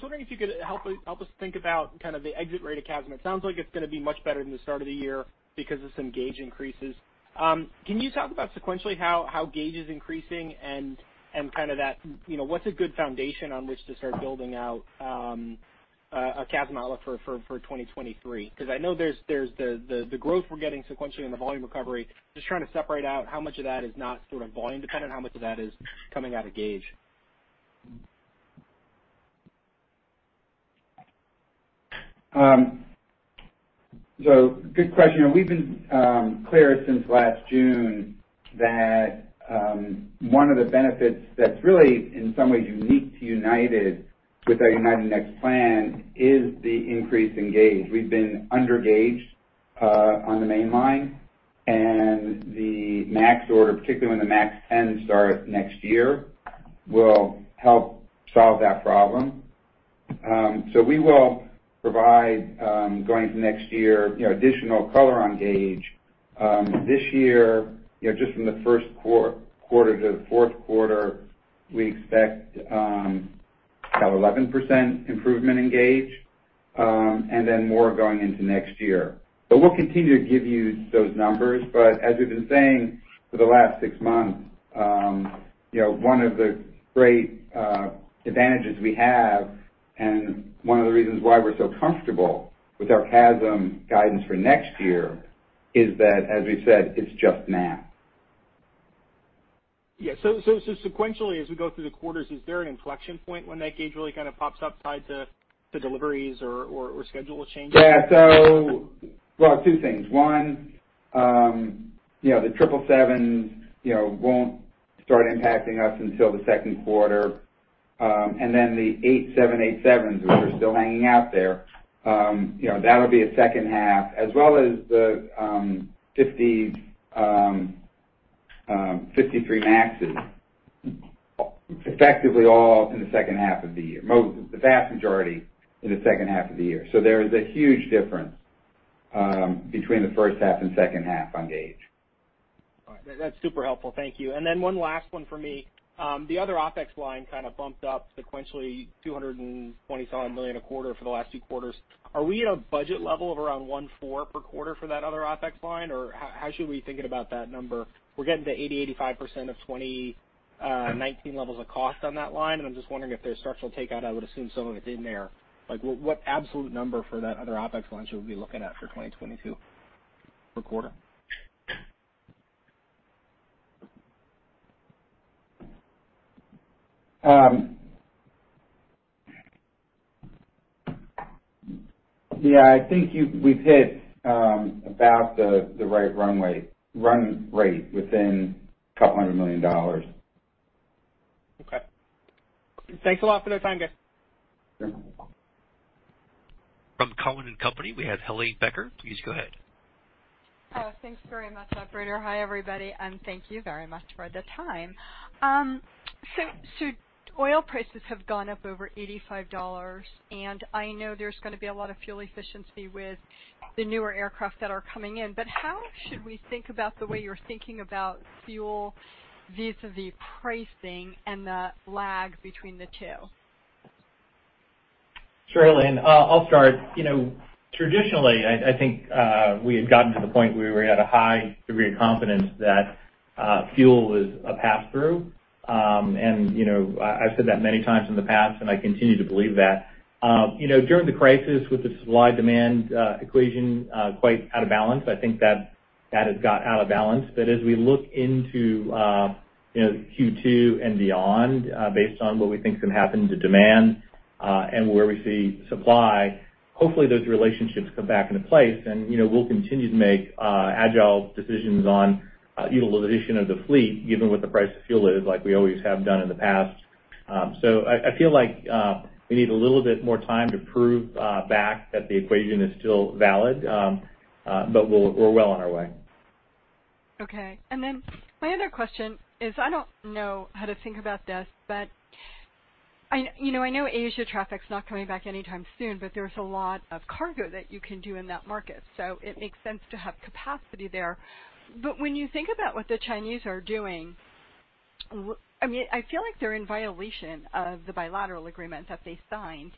wondering if you could help us think about kind of the exit rate of CASM. It sounds like it's gonna be much better than the start of the year because of some gauge increases. Can you talk about sequentially how gauge is increasing and kind of that, you know, what's a good foundation on which to start building out a CASM outlook for 2023? 'Cause I know there's the growth we're getting sequentially in the volume recovery. Just trying to separate out how much of that is not sort of volume dependent, how much of that is coming out of gauge. Good question. We've been clear since last June that one of the benefits that's really in some ways unique to United with our United Next plan is the increase in gauge. We've been under-gauged on the mainline, and the MAX order, particularly when the MAX 10s start next year, will help solve that problem. We will provide going into next year, you know, additional color on gauge. This year, you know, just from the Q1 - Q4, we expect about 11% improvement in gauge, and then more going into next year. We'll continue to give you those numbers, but as we've been saying for the last six months, you know, one of the great advantages we have, and one of the reasons why we're so comfortable with our CASM guidance for next year is that, as we said, it's just math. Yeah. Sequentially, as we go through the quarters, is there an inflection point when that gauge really kind of pops upside the deliveries or schedule changes? Yeah. Well, two things. One, you know, the 777, you know, won't start impacting us until Q2. Then the 8 787s which are still hanging out there, you know, that'll be a H2, as well as the 53 MAXes, effectively all in H2 of the year. Most, the vast majority in H2 of the year. There is a huge difference between H1 and H2 on gauge. All right. That's super helpful. Thank you. One last one for me. The other OpEx line kind of bumped up sequentially $225 million a quarter for the last two quarters. Are we at a budget level of around $140 million per quarter for that other OpEx line, or how should we be thinking about that number? We're getting to 80%-85% of 2019 levels of cost on that line, and I'm just wondering if there's structural takeout. I would assume some of it's in there. What absolute number for that other OpEx line should we be looking at for 2022 per quarter? Yeah, I think we've hit about the right run rate within $200 million. Okay. Thanks a lot for the time, guys. Sure. From Cowen and Company, we have Helane Becker. Please go ahead. Thanks very much, operator. Hi, everybody, and thank you very much for the time. Oil prices have gone up over $85, and I know there's gonna be a lot of fuel efficiency with the newer aircraft that are coming in. How should we think about the way you're thinking about fuel vis-à-vis pricing and the lag between the two? Sure, Helane. I'll start. You know, traditionally, I think we had gotten to the point where we had a high degree of confidence that fuel was a pass-through. You know, I've said that many times in the past, and I continue to believe that. You know, during the crisis with the supply-demand equation quite out of balance, I think that has got out of balance. As we look into you know, Q2 and beyond, based on what we think can happen to demand and where we see supply, hopefully those relationships come back into place. You know, we'll continue to make agile decisions on utilization of the fleet given what the price of fuel is like we always have done in the past. I feel like we need a little bit more time to prove back that the equation is still valid. We're well on our way. Okay. My other question is, I don't know how to think about this, but I, you know, I know Asia traffic's not coming back anytime soon, but there's a lot of cargo that you can do in that market, so it makes sense to have capacity there. But when you think about what the Chinese are doing, I mean, I feel like they're in violation of the bilateral agreement that they signed.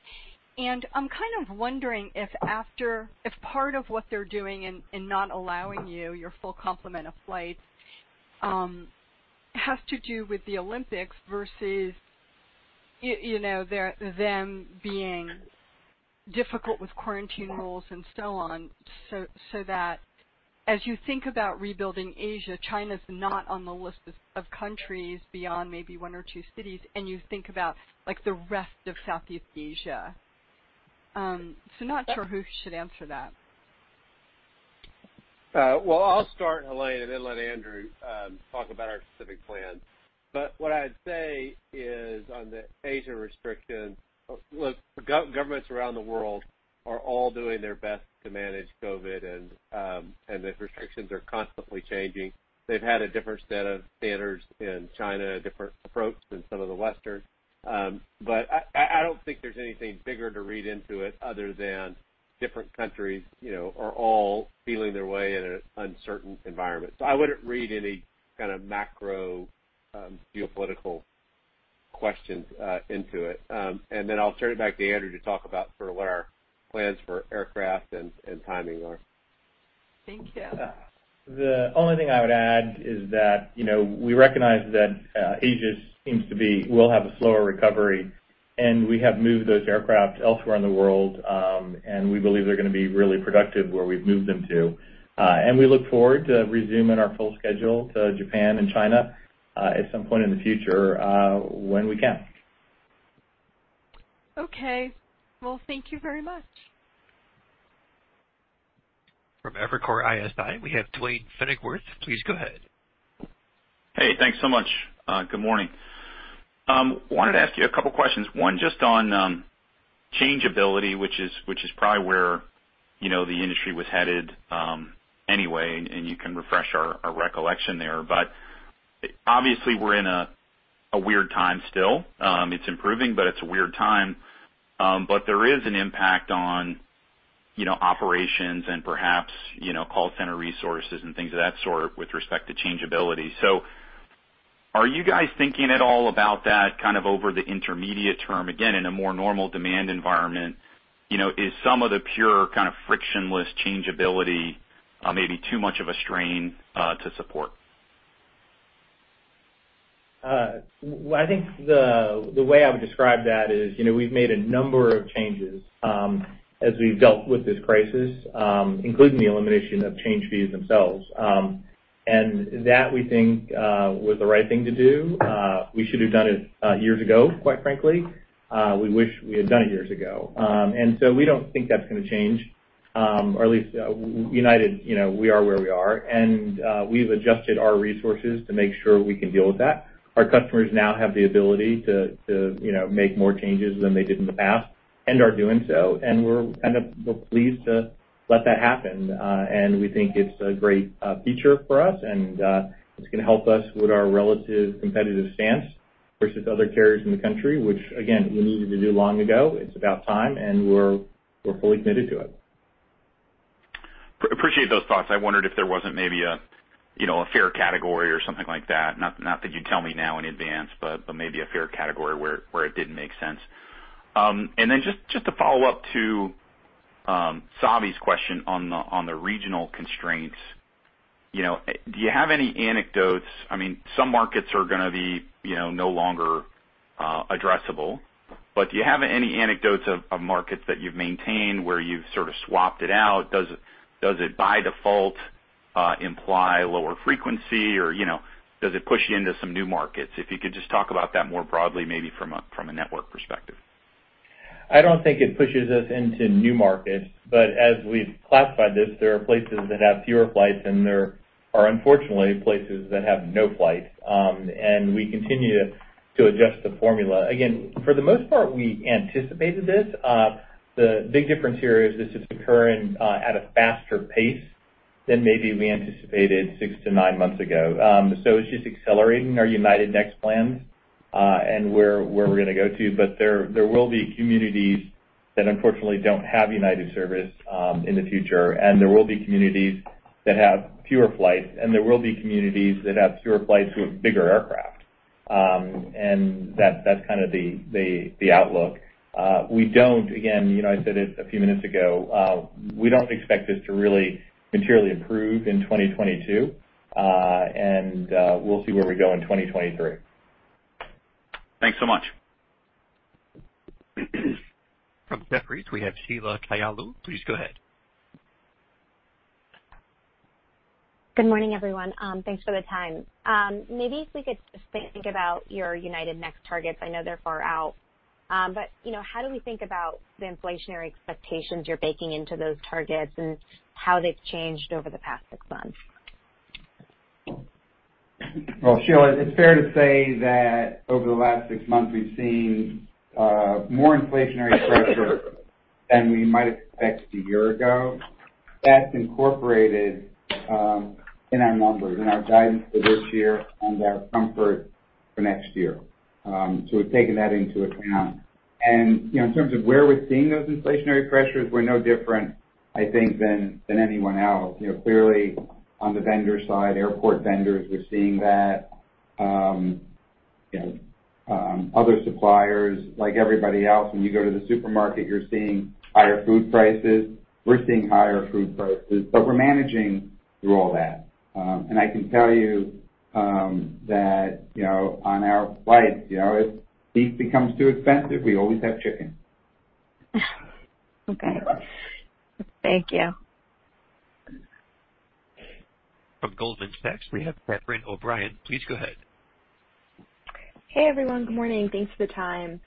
I'm kind of wondering if part of what they're doing in not allowing you your full complement of flights has to do with the Olympics versus you know, them being difficult with quarantine rules and so on, so that as you think about rebuilding Asia, China's not on the list of countries beyond maybe one or two cities, and you think about, like, the rest of Southeast Asia. Not sure who should answer that. Well, I'll start, Helane, and then let Andrew talk about our specific plans. What I'd say is on the Asia restrictions. Look, governments around the world are all doing their best to manage COVID and the restrictions are constantly changing. They've had a different set of standards in China, a different approach than some of the Western. I don't think there's anything bigger to read into it other than different countries, you know, are all feeling their way in an uncertain environment. I wouldn't read any kind of macro geopolitical questions into it. I'll turn it back to Andrew to talk about sort of what our plans for aircraft and timing are. Thank you. The only thing I would add is that, you know, we recognize that Asia will have a slower recovery, and we have moved those aircraft elsewhere in the world, and we believe they're gonna be really productive where we've moved them to. We look forward to resuming our full schedule to Japan and China at some point in the future when we can. Okay. Well, thank you very much From Evercore ISI, we have Duane Pfennigwerth. Please go ahead. Hey, thanks so much. Good morning. Wanted to ask you a couple questions. One, just on changeability, which is probably where, you know, the industry was headed, anyway, and you can refresh our recollection there. Obviously we're in a weird time still. It's improving, but it's a weird time. There is an impact on, you know, operations and perhaps, you know, call center resources and things of that sort with respect to changeability. Are you guys thinking at all about that kind of over the intermediate term, again, in a more normal demand environment? You know, is some of the pure kind of frictionless changeability maybe too much of a strain to support? Well, I think the way I would describe that is, you know, we've made a number of changes as we've dealt with this crisis, including the elimination of change fees themselves, that we think was the right thing to do. We should have done it years ago, quite frankly. We wish we had done it years ago. We don't think that's gonna change, or at least United, you know, we are where we are. We've adjusted our resources to make sure we can deal with that. Our customers now have the ability to, you know, make more changes than they did in the past and are doing so, and we're kind of pleased to let that happen. We think it's a great feature for us and it's gonna help us with our relative competitive stance versus other carriers in the country, which again, we needed to do long ago. It's about time. We're fully committed to it. Appreciate those thoughts. I wondered if there wasn't maybe a, you know, a fare category or something like that. Not that you'd tell me now in advance, but maybe a fare category where it didn't make sense. Just to follow up to Savi's question on the regional constraints. You know, do you have any anecdotes? I mean, some markets are gonna be, you know, no longer addressable. Do you have any anecdotes of markets that you've maintained where you've sort of swapped it out? Does it by default imply lower frequency or, you know, does it push you into some new markets? If you could just talk about that more broadly, maybe from a network perspective. I don't think it pushes us into new markets, but as we've classified this, there are places that have fewer flights and there are unfortunately places that have no flights. We continue to adjust the formula. Again, for the most part, we anticipated this. The big difference here is this is occurring at a faster pace than maybe we anticipated 6-9 months ago. It's just accelerating our United Next plan and where we're gonna go to. There will be communities that unfortunately don't have United service in the future, and there will be communities that have fewer flights, and there will be communities that have fewer flights with bigger aircraft. That's kind of the outlook. We don't, again, you know, I said it a few minutes ago, we don't expect this to really materially improve in 2022. We'll see where we go in 2023. Thanks so much. From Jefferies, we have Sheila Kahyaoglu. Please go ahead. Good morning, everyone. Thanks for the time. Maybe if we could just think about your United Next targets. I know they're far out, but, you know, how do we think about the inflationary expectations you're baking into those targets and how they've changed over the past six months? Well, Sheila, it's fair to say that over the last six months, we've seen more inflationary pressure than we might expect a year ago. That's incorporated in our numbers, in our guidance for this year and our comfort for next year. We've taken that into account. You know, in terms of where we're seeing those inflationary pressures, we're no different, I think, than anyone else. You know, clearly, on the vendor side, airport vendors, we're seeing that. You know, other suppliers like everybody else, when you go to the supermarket, you're seeing higher food prices. We're seeing higher food prices, but we're managing through all that. I can tell you that, you know, on our flights, you know, if beef becomes too expensive, we always have chicken. Okay. Thank you. From Goldman Sachs, we have Catherine O'Brien. Please go ahead. Hey, everyone. Good morning. Thanks for the time.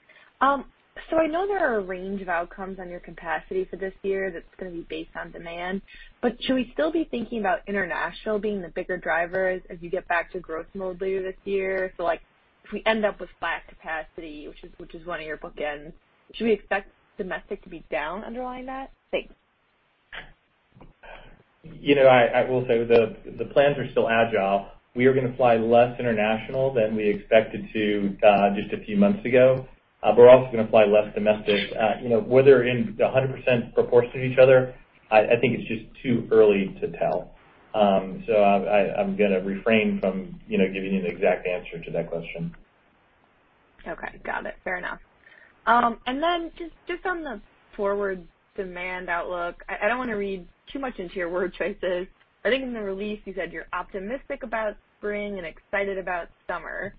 I know there are a range of outcomes on your capacity for this year that's gonna be based on demand, but should we still be thinking about international being the bigger driver as you get back to growth mode later this year? Like, if we end up with flat capacity, which is one of your bookends, should we expect domestic to be down underlying that? Thanks. You know, I will say the plans are still agile. We are gonna fly less international than we expected to just a few months ago. We're also gonna fly less domestic. You know, whether in 100% proportion to each other, I think it's just too early to tell. I'm gonna refrain from you know, giving you the exact answer to that question. Okay. Got it. Fair enough. Just on the forward demand outlook, I don't wanna read too much into your word choices. I think in the release you said you're optimistic about spring and excited about summer.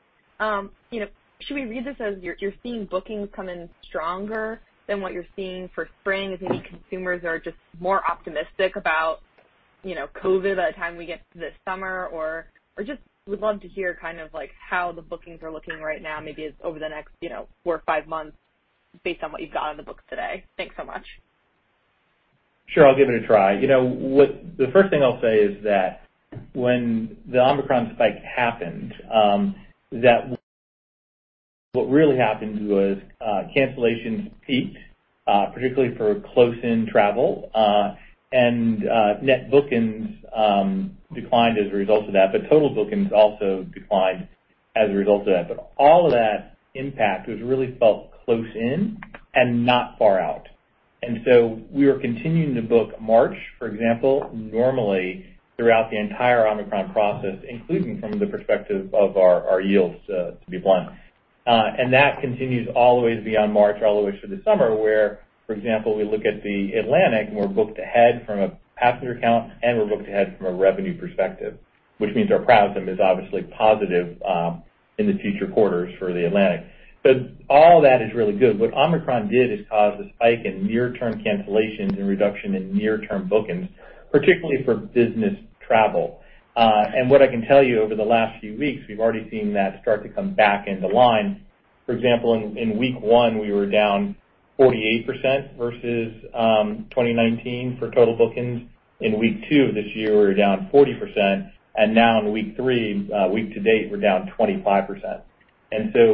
You know, should we read this as you're seeing bookings come in stronger than what you're seeing for spring, as maybe consumers are just more optimistic about, you know, COVID by the time we get to this summer? Or just would love to hear kind of like how the bookings are looking right now, maybe over the next four or five months based on what you've got on the books today. Thanks so much. Sure. I'll give it a try. You know, the first thing I'll say is that when the Omicron spike happened, that what really happened was, cancellations peaked, particularly for close-in travel, and net bookings declined as a result of that, but total bookings also declined as a result of that. But all of that impact was really felt close in and not far out. We were continuing to book March, for example, normally throughout the entire Omicron process, including from the perspective of our yields, to be blunt. That continues all the way beyond March, all the way through the summer, where, for example, we look at the Atlantic and we're booked ahead from a passenger count, and we're booked ahead from a revenue perspective, which means our PRASM is obviously positive in the future quarters for the Atlantic. All that is really good. What Omicron did is cause a spike in near-term cancellations and reduction in near-term bookings, particularly for business travel. What I can tell you over the last few weeks, we've already seen that start to come back into line. For example, in week one, we were down 48% versus 2019 for total bookings. In week two of this year, we were down 40%. Now in week three, week to date, we're down 25%.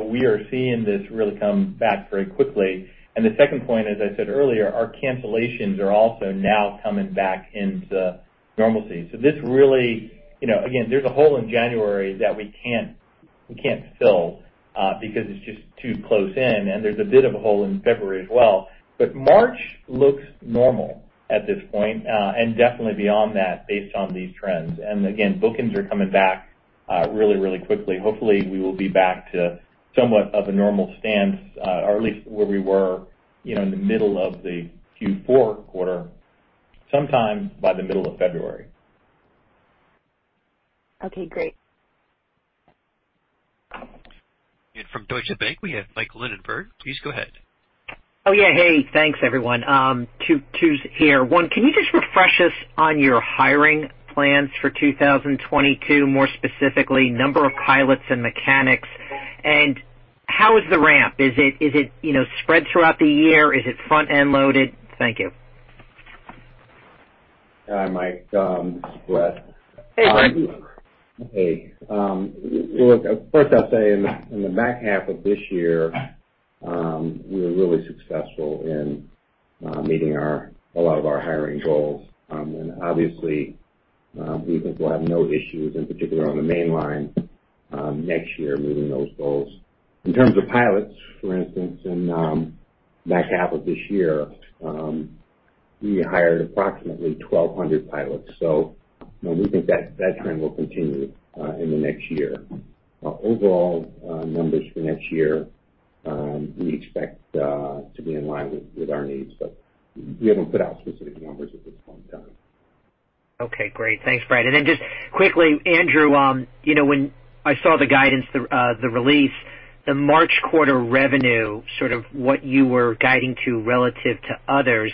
We are seeing this really come back very quickly. The second point, as I said earlier, our cancellations are also now coming back into normalcy. This really, you know, again, there's a hole in January that we can't fill because it's just too close in, and there's a bit of a hole in February as well. March looks normal at this point, and definitely beyond that based on these trends. Again, bookings are coming back really, really quickly. Hopefully, we will be back to somewhat of a normal stance, or at least where we were, you know, in the middle of the Q4 quarter, sometime by the middle of February. Okay. Great. From Deutsche Bank, we have Mike Linenberg. Please go ahead. Oh, yeah. Hey. Thanks, everyone. Two questions here. One, can you just refresh us on your hiring plans for 2022, more specifically, number of pilots and mechanics? How is the ramp? Is it, you know, spread throughout the year? Is it front-end loaded? Thank you. Hi, Mike. This is Brett. Hey, Brett. Hey. Look, first I'll say in the back half of this year, we were really successful in meeting a lot of our hiring goals. Obviously, we think we'll have no issues in particular on the mainline next year meeting those goals. In terms of pilots, for instance, in back half of this year. We hired approximately 1,200 pilots. You know, we think that trend will continue in the next year. Our overall numbers for next year we expect to be in line with our needs. We haven't put out specific numbers at this point in time. Okay, great. Thanks, Brett. Just quickly, Andrew, you know, when I saw the guidance, the release, the March quarter revenue, sort of what you were guiding to relative to others,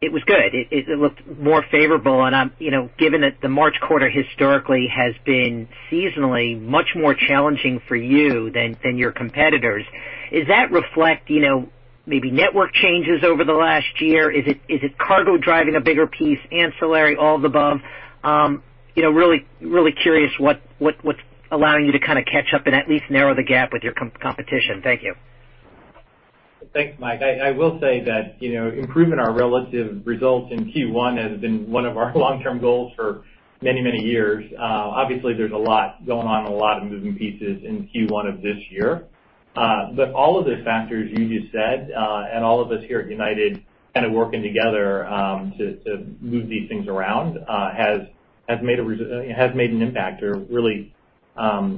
it was good. It looked more favorable. I'm, you know, given that the March quarter historically has been seasonally much more challenging for you than your competitors, is that reflective, you know, maybe network changes over the last year? Is it cargo driving a bigger piece, ancillary, all the above? You know, really curious what's allowing you to kind of catch up and at least narrow the gap with your competition. Thank you. Thanks, Mike. I will say that, you know, improving our relative results in Q1 has been one of our long-term goals for many, many years. Obviously, there's a lot going on and a lot of moving pieces in Q1 of this year. All of the factors you just said, and all of us here at United kind of working together to move these things around, has made an impact. Really,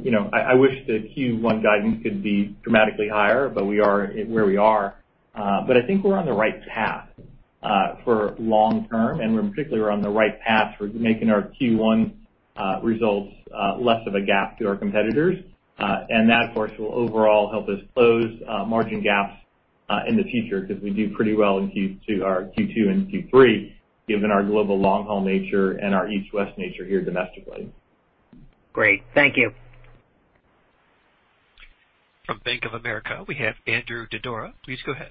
you know, I wish the Q1 guidance could be dramatically higher, but we are where we are. I think we're on the right path for long-term, and we're particularly on the right path for making our Q1 results less of a gap to our competitors. that, of course, will overall help us close margin gaps in the future because we do pretty well in Q2 and Q3, given our global long-haul nature and our East-West nature here domestically. Great. Thank you. From Bank of America, we have Andrew Didora. Please go ahead.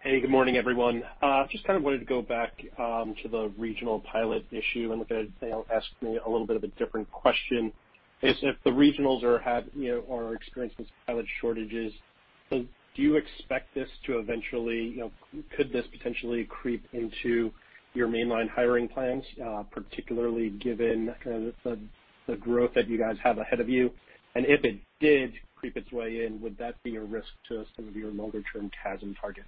Hey, good morning, everyone. Just kind of wanted to go back to the regional pilot issue and ask maybe a little bit of a different question is, if the regionals are experiencing pilot shortages, do you expect this to eventually could this potentially creep into your mainline hiring plans, particularly given the growth that you guys have ahead of you? If it did creep its way in, would that be a risk to some of your longer term CASM target?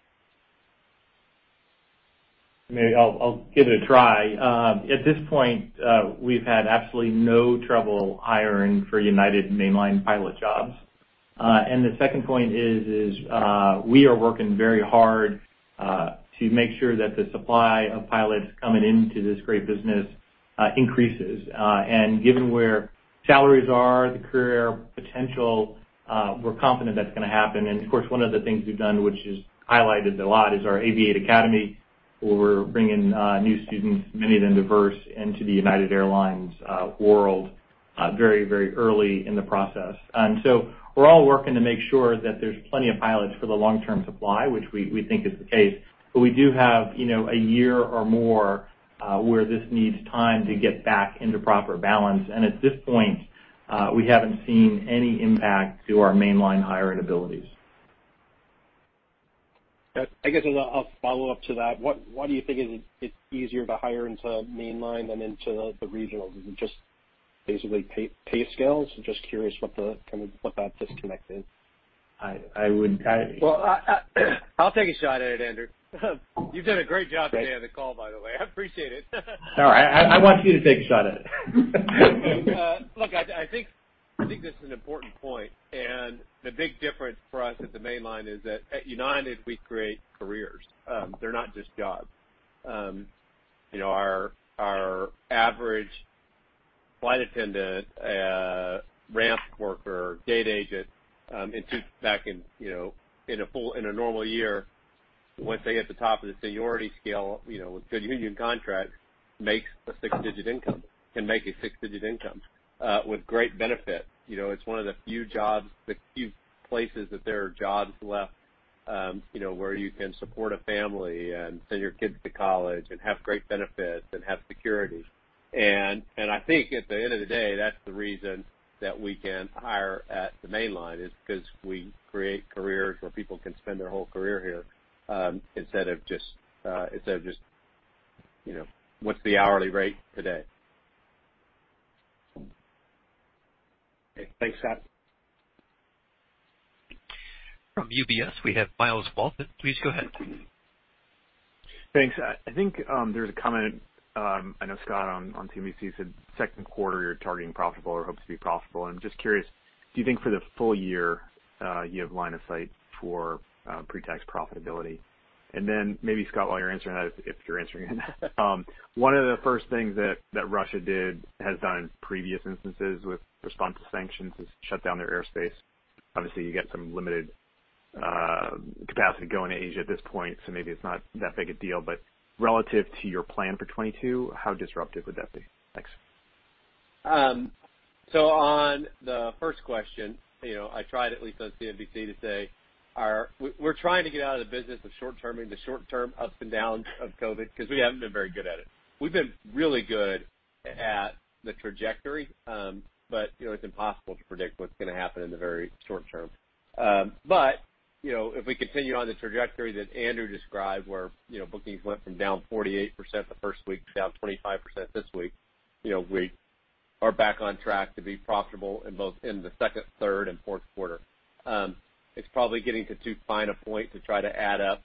Maybe I'll give it a try. At this point, we've had absolutely no trouble hiring for United mainline pilot jobs. The second point is we are working very hard to make sure that the supply of pilots coming into this great business increases. Given where salaries are, the career potential, we're confident that's gonna happen. Of course, one of the things we've done, which is highlighted a lot, is our Aviate Academy, where we're bringing new students, many of them diverse, into the United Airlines world very early in the process. We're all working to make sure that there's plenty of pilots for the long-term supply, which we think is the case. We do have, you know, a year or more, where this needs time to get back into proper balance. At this point, we haven't seen any impact to our mainline hiring abilities. Yes. I guess as a follow-up to that, what, why do you think it's easier to hire into mainline than into the regionals? Is it just basically pay scales? I'm just curious what the kind of what that disconnect is. I would... I- Well, I'll take a shot at it, Andrew. You've done a great job today on the call, by the way. I appreciate it. No, I want you to take a shot at it. Look, I think this is an important point. The big difference for us at the mainline is that at United, we create careers. They're not just jobs. You know, our average flight attendant, ramp worker, gate agent, back in, you know, in a normal year, once they hit the top of the seniority scale, you know, with good union contracts, makes a six-digit income. Can make a six-digit income with great benefits. You know, it's one of the few jobs, the few places that there are jobs left, you know, where you can support a family and send your kids to college and have great benefits and have security. I think at the end of the day, that's the reason that we can hire at the mainline is because we create careers where people can spend their whole career here, instead of just, you know, what's the hourly rate today? Okay. Thanks, Scott. From UBS, we have Myles Walton. Please go ahead. Thanks. I think there's a comment. I know Scott on CNBC said second quarter you're targeting profitable or hopes to be profitable. I'm just curious, do you think for the full year you have line of sight for pre-tax profitability? Then maybe, Scott, while you're answering that, if you're answering it, one of the first things that Russia has done in previous instances in response to sanctions is shut down their airspace. Obviously, you get some limited capacity going to Asia at this point, so maybe it's not that big a deal. But relative to your plan for 2022, how disruptive would that be? Thanks. On the first question, you know, I tried at least on CNBC to say we're trying to get out of the business of short-terming the short-term ups and downs of COVID because we haven't been very good at it. We've been really good at the trajectory, but you know, it's impossible to predict what's gonna happen in the very short term. If we continue on the trajectory that Andrew described, where you know, bookings went from down 48% the first week to down 25% this week, you know, we We're back on track to be profitable in both Q2, Q3 and Q4. It's probably getting to too fine a point to try to add up,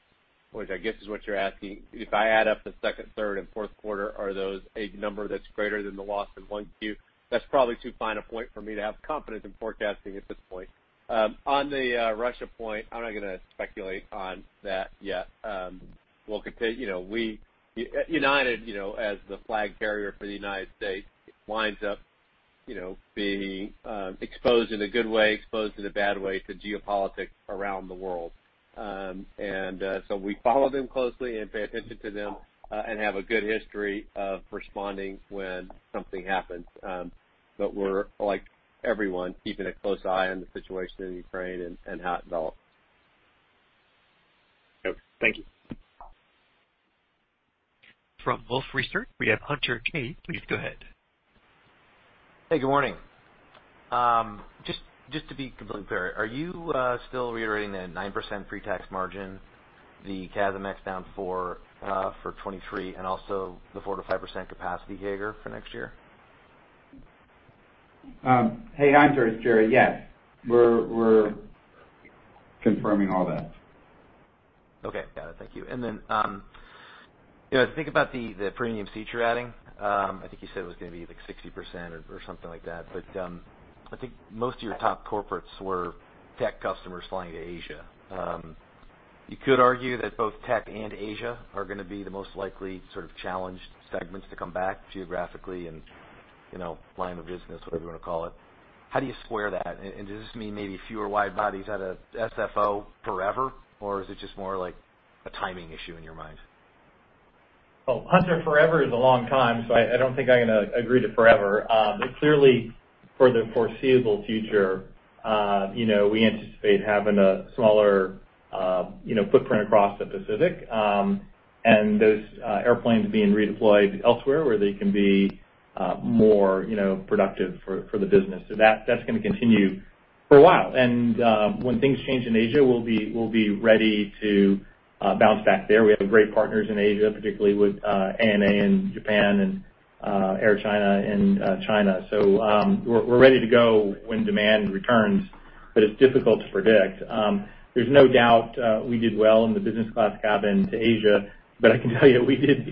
which I guess is what you're asking. If I add up Q2, Q3 and Q4, are those a number that's greater than the loss in Q1? That's probably too fine a point for me to have confidence in forecasting at this point. On the Russia point, I'm not gonna speculate on that yet. We'll you know, we, United, you know, as the flag carrier for the United States, winds up, you know, being exposed in a good way, exposed in a bad way to geopolitics around the world. We follow them closely and pay attention to them and have a good history of responding when something happens. We're, like everyone, keeping a close eye on the situation in Ukraine and how it develops. Okay. Thank you. From Wolfe Research, we have Hunter Keay. Please go ahead. Hey, good morning. Just to be completely clear, are you still reiterating the 9% pretax margin, the CASM-ex down 4%, for 2023, and also the 4%-5% capacity CAGR for next year? Hey, Hunter. It's Gerry. Yes, we're confirming all that. Okay. Got it. Thank you. You know, to think about the premium seats you're adding, I think you said it was gonna be, like, 60% or something like that. I think most of your top corporates were tech customers flying to Asia. You could argue that both tech and Asia are gonna be the most likely sort of challenged segments to come back geographically and, you know, line of business, whatever you wanna call it. How do you square that? Does this mean maybe fewer wide-bodies out of SFO forever, or is it just more like a timing issue in your mind? Well, Hunter, forever is a long time, so I don't think I'm gonna agree to forever. But clearly for the foreseeable future, you know, we anticipate having a smaller, you know, footprint across the Pacific, and those airplanes being redeployed elsewhere where they can be more, you know, productive for the business. That's gonna continue for a while. When things change in Asia, we'll be ready to bounce back there. We have great partners in Asia, particularly with ANA in Japan and Air China in China. We're ready to go when demand returns, but it's difficult to predict. There's no doubt we did well in the business class cabin to Asia, but I can tell you, we did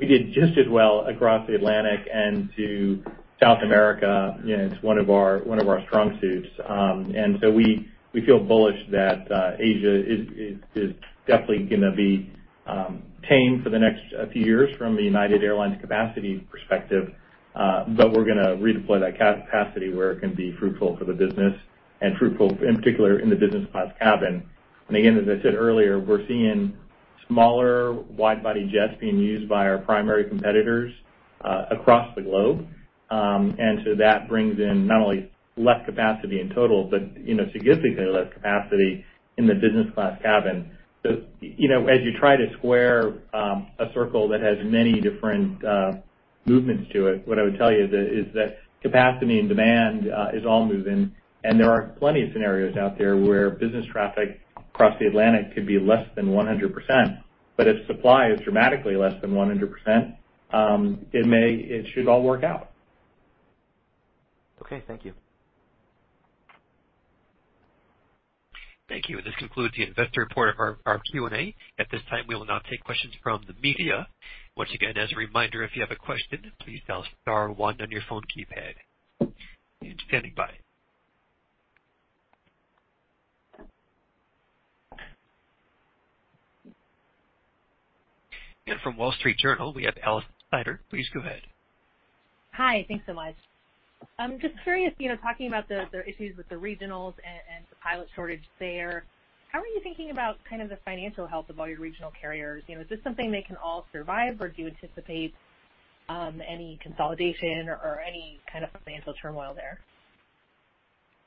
just as well across the Atlantic and to South America. You know, it's one of our strong suits. We feel bullish that Asia is definitely gonna be tame for the next few years from a United Airlines capacity perspective. We're gonna redeploy that capacity where it can be fruitful for the business and fruitful, in particular, in the business class cabin. Again, as I said earlier, we're seeing smaller wide-body jets being used by our primary competitors across the globe. That brings in not only less capacity in total, but you know, significantly less capacity in the business class cabin. You know, as you try to square a circle that has many different movements to it, what I would tell you is that capacity and demand is all moving. There are plenty of scenarios out there where business traffic across the Atlantic could be less than 100%. But if supply is dramatically less than 100%, it should all work out. Okay. Thank you. Thank you. This concludes the investor part of our Q&A. At this time, we will now take questions from the media. Once again, as a reminder, if you have a question, please dial star one on your phone keypad. Standing by. From The Wall Street Journal, we have Alison Sider. Please go ahead. Hi. Thanks so much. I'm just curious, you know, talking about the issues with the regionals and the pilot shortage there, how are you thinking about kind of the financial health of all your regional carriers? You know, is this something they can all survive, or do you anticipate any consolidation or any kind of financial turmoil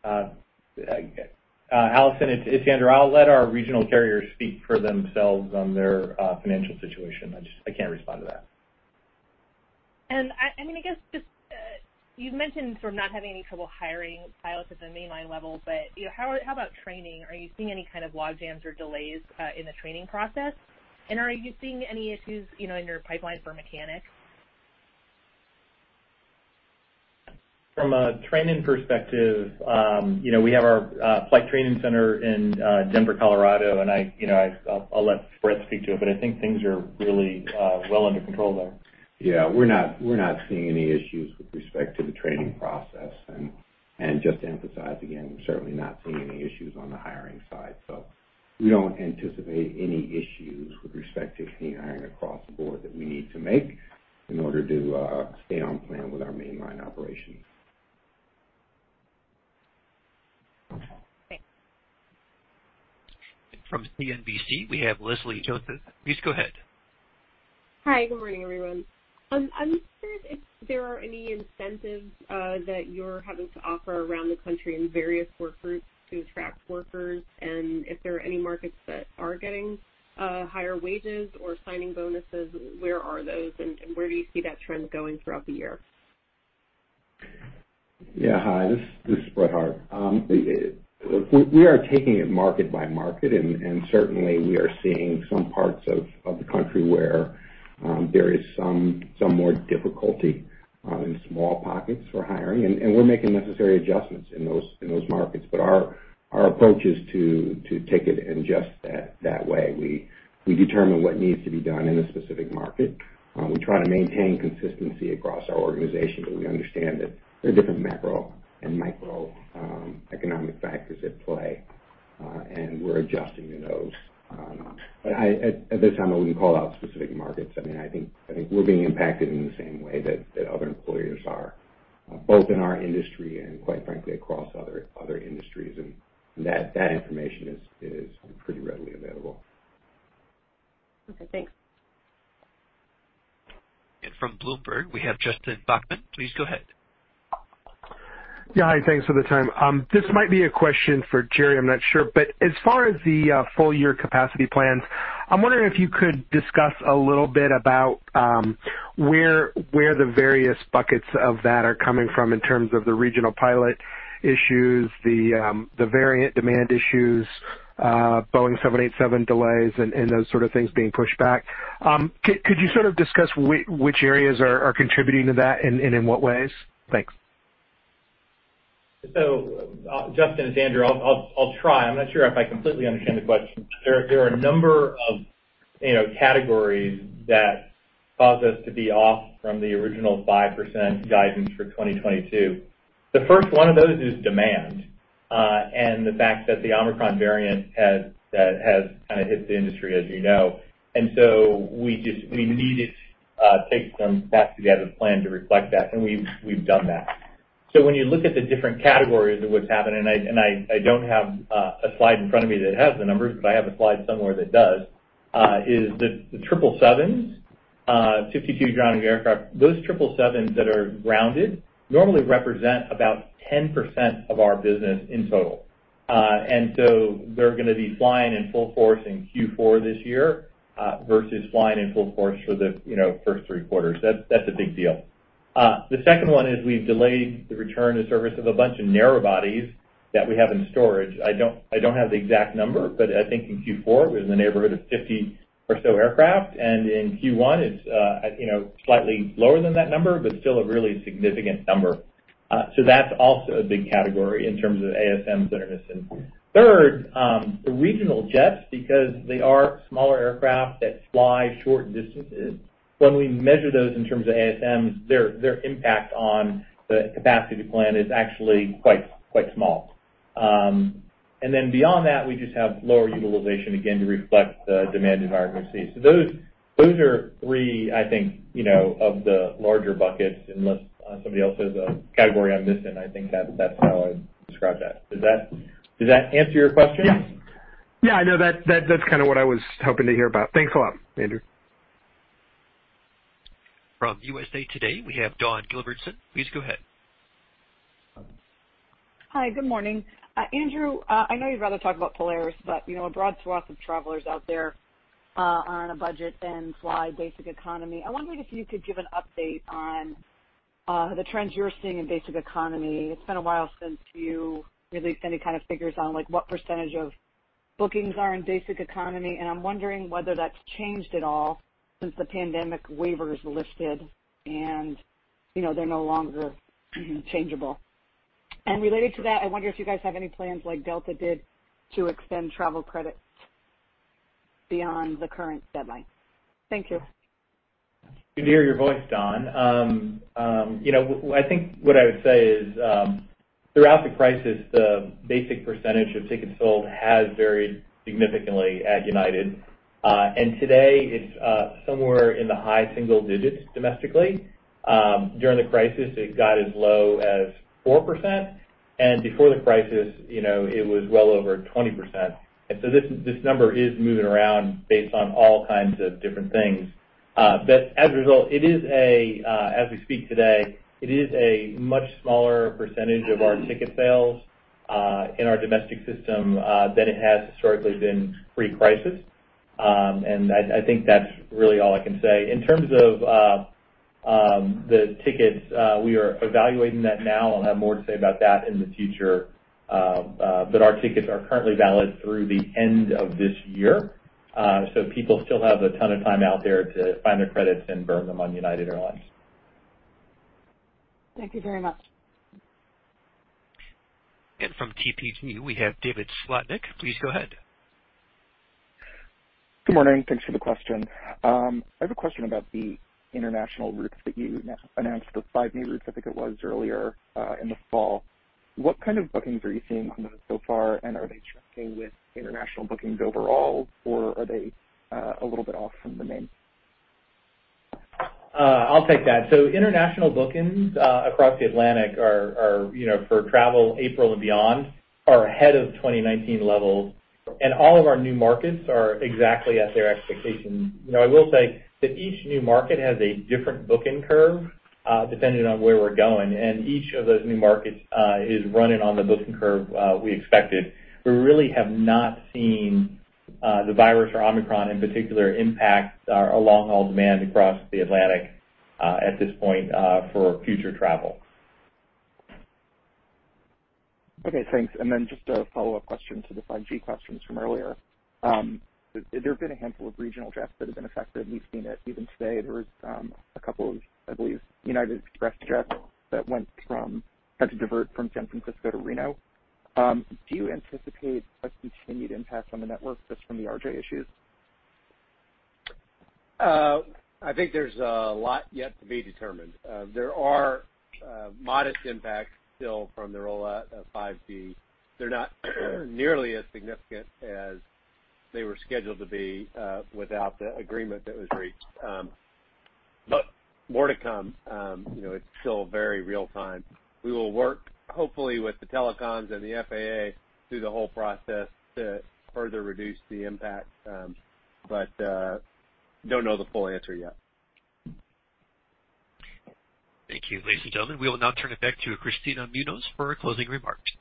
there? Alison, it's Andrew. I'll let our regional carriers speak for themselves on their financial situation. I just, I can't respond to that. I guess just you've mentioned sort of not having any trouble hiring pilots at the mainline level, but you know, how about training? Are you seeing any kind of logjams or delays in the training process? Are you seeing any issues you know in your pipeline for mechanics? From a training perspective, you know, we have our flight training center in Denver, Colorado, and you know, I'll let Brett speak to it, but I think things are really well under control there. Yeah. We're not seeing any issues with respect to the training process. Just to emphasize again, we're certainly not seeing any issues on the hiring side. We don't anticipate any issues with respect to any hiring across the board that we need to make in order to stay on plan with our mainline operations. Thanks. From CNBC, we have Leslie Josephs. Please go ahead. Hi. Good morning, everyone. I'm curious if there are any incentives that you're having to offer around the country in various work groups to attract workers, and if there are any markets that are getting higher wages or signing bonuses, where are those, and where do you see that trend going throughout the year? Hi, this is Brett Hart. We are taking it market by market, and certainly we are seeing some parts of the country where there is some more difficulty in small pockets for hiring, and we're making necessary adjustments in those markets. Our approach is to take it and adjust that way. We determine what needs to be done in a specific market. We try to maintain consistency across our organization, but we understand that there are different macro and micro economic factors at play, and we're adjusting to those. At this time, I wouldn't call out specific markets. I mean, I think we're being impacted in the same way that other employers are, both in our industry and quite frankly, across other industries. That information is pretty readily available. Okay, thanks. From Bloomberg, we have Justin Bachman. Please go ahead. Yeah. Hi. Thanks for the time. This might be a question for Gerry. I'm not sure. As far as the full-year capacity plans, I'm wondering if you could discuss a little bit about where the various buckets of that are coming from in terms of the regional pilot issues, the variant demand issues, Boeing 787 delays and those sort of things being pushed back. Could you sort of discuss which areas are contributing to that and in what ways? Thanks. Justin, it's Andrew. I'll try. I'm not sure if I completely understand the question. There are a number of, you know, categories that cause us to be off from the original 5% guidance for 2022. The first one of those is demand, and the fact that the Omicron variant has kind of hit the industry, as you know. We needed to take some steps to get the plan to reflect that, and we've done that. When you look at the different categories of what's happened, and I don't have a slide in front of me that has the numbers, but I have a slide somewhere that does, is the 777s, 52 grounded aircraft. Those triple sevens that are grounded normally represent about 10% of our business in total. They're gonna be flying in full force in Q4 this year versus flying in full force for the, you know, first three quarters. That's a big deal. The second one is we've delayed the return to service of a bunch of narrow bodies that we have in storage. I don't have the exact number, but I think in Q4 it was in the neighborhood of 50 or so aircraft. In Q1, it's you know, slightly lower than that number, but still a really significant number. That's also a big category in terms of the ASMs that are missing. Third, the regional jets, because they are smaller aircraft that fly short distances, when we measure those in terms of ASMs, their impact on the capacity plan is actually quite small. Beyond that, we just have lower utilization again to reflect the demand environment we see. Those are three, I think, you know, of the larger buckets, unless somebody else has a category I'm missing, I think that's how I'd describe that. Does that answer your question? Yeah, no, that's kind of what I was hoping to hear about. Thanks a lot, Andrew. From USA TODAY, we have Dawn Gilbertson. Please go ahead. Hi. Good morning. Andrew, I know you'd rather talk about Polaris, but you know, a broad swath of travelers out there on a budget and fly basic economy. I wonder if you could give an update on the trends you're seeing in basic economy. It's been a while since you released any kind of figures on, like, what percentage of bookings are in basic economy, and I'm wondering whether that's changed at all since the pandemic waivers lifted and, you know, they're no longer changeable. Related to that, I wonder if you guys have any plans like Delta did to extend travel credits beyond the current deadline. Thank you. Good to hear your voice, Dawn. You know, I think what I would say is throughout the crisis, the basic percentage of tickets sold has varied significantly at United. Today it's somewhere in the high single digits domestically. During the crisis, it got as low as 4%, and before the crisis, you know, it was well over 20%. This number is moving around based on all kinds of different things. As a result, as we speak today, it is a much smaller percentage of our ticket sales in our domestic system than it has historically been pre-crisis. I think that's really all I can say. In terms of the tickets, we are evaluating that now. I'll have more to say about that in the future. Our tickets are currently valid through the end of this year. People still have a ton of time out there to find their credits and burn them on United Airlines. Thank you very much. From TPG, we have David Slotnick. Please go ahead. Good morning. Thanks for the question. I have a question about the international routes that you announced, the 5G routes, I think it was, earlier in the fall. What kind of bookings are you seeing on those so far, and are they trending with international bookings overall, or are they a little bit off from the main? I'll take that. International bookings across the Atlantic, you know, for travel April and beyond, are ahead of 2019 levels. All of our new markets are exactly as their expectations. You know, I will say that each new market has a different booking curve, depending on where we're going, and each of those new markets is running on the booking curve we expected. We really have not seen the virus or Omicron in particular impact our long-haul demand across the Atlantic at this point for future travel. Okay, thanks. Just a follow-up question to the 5G questions from earlier. There have been a handful of regional jets that have been affected, and we've seen it even today. There was a couple of, I believe, United Express jets that had to divert from San Francisco to Reno. Do you anticipate a continued impact on the network just from the RJ issues? I think there's a lot yet to be determined. There are modest impacts still from the rollout of 5G. They're not nearly as significant as they were scheduled to be without the agreement that was reached. But more to come. You know, it's still very real-time. We will work, hopefully with the telecoms and the FAA, through the whole process to further reduce the impact. But don't know the full answer yet. Thank you. Ladies and gentlemen, we will now turn it back to Kristina Munoz for our closing remarks.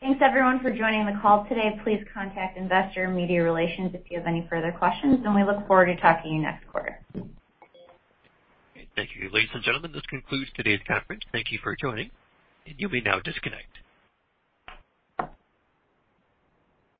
Thanks everyone for joining the call today. Please contact Investor and Media Relations if you have any further questions, and we look forward to talking to you next quarter. Okay. Thank you. Ladies and gentlemen, this concludes today's conference. Thank you for joining, and you may now disconnect.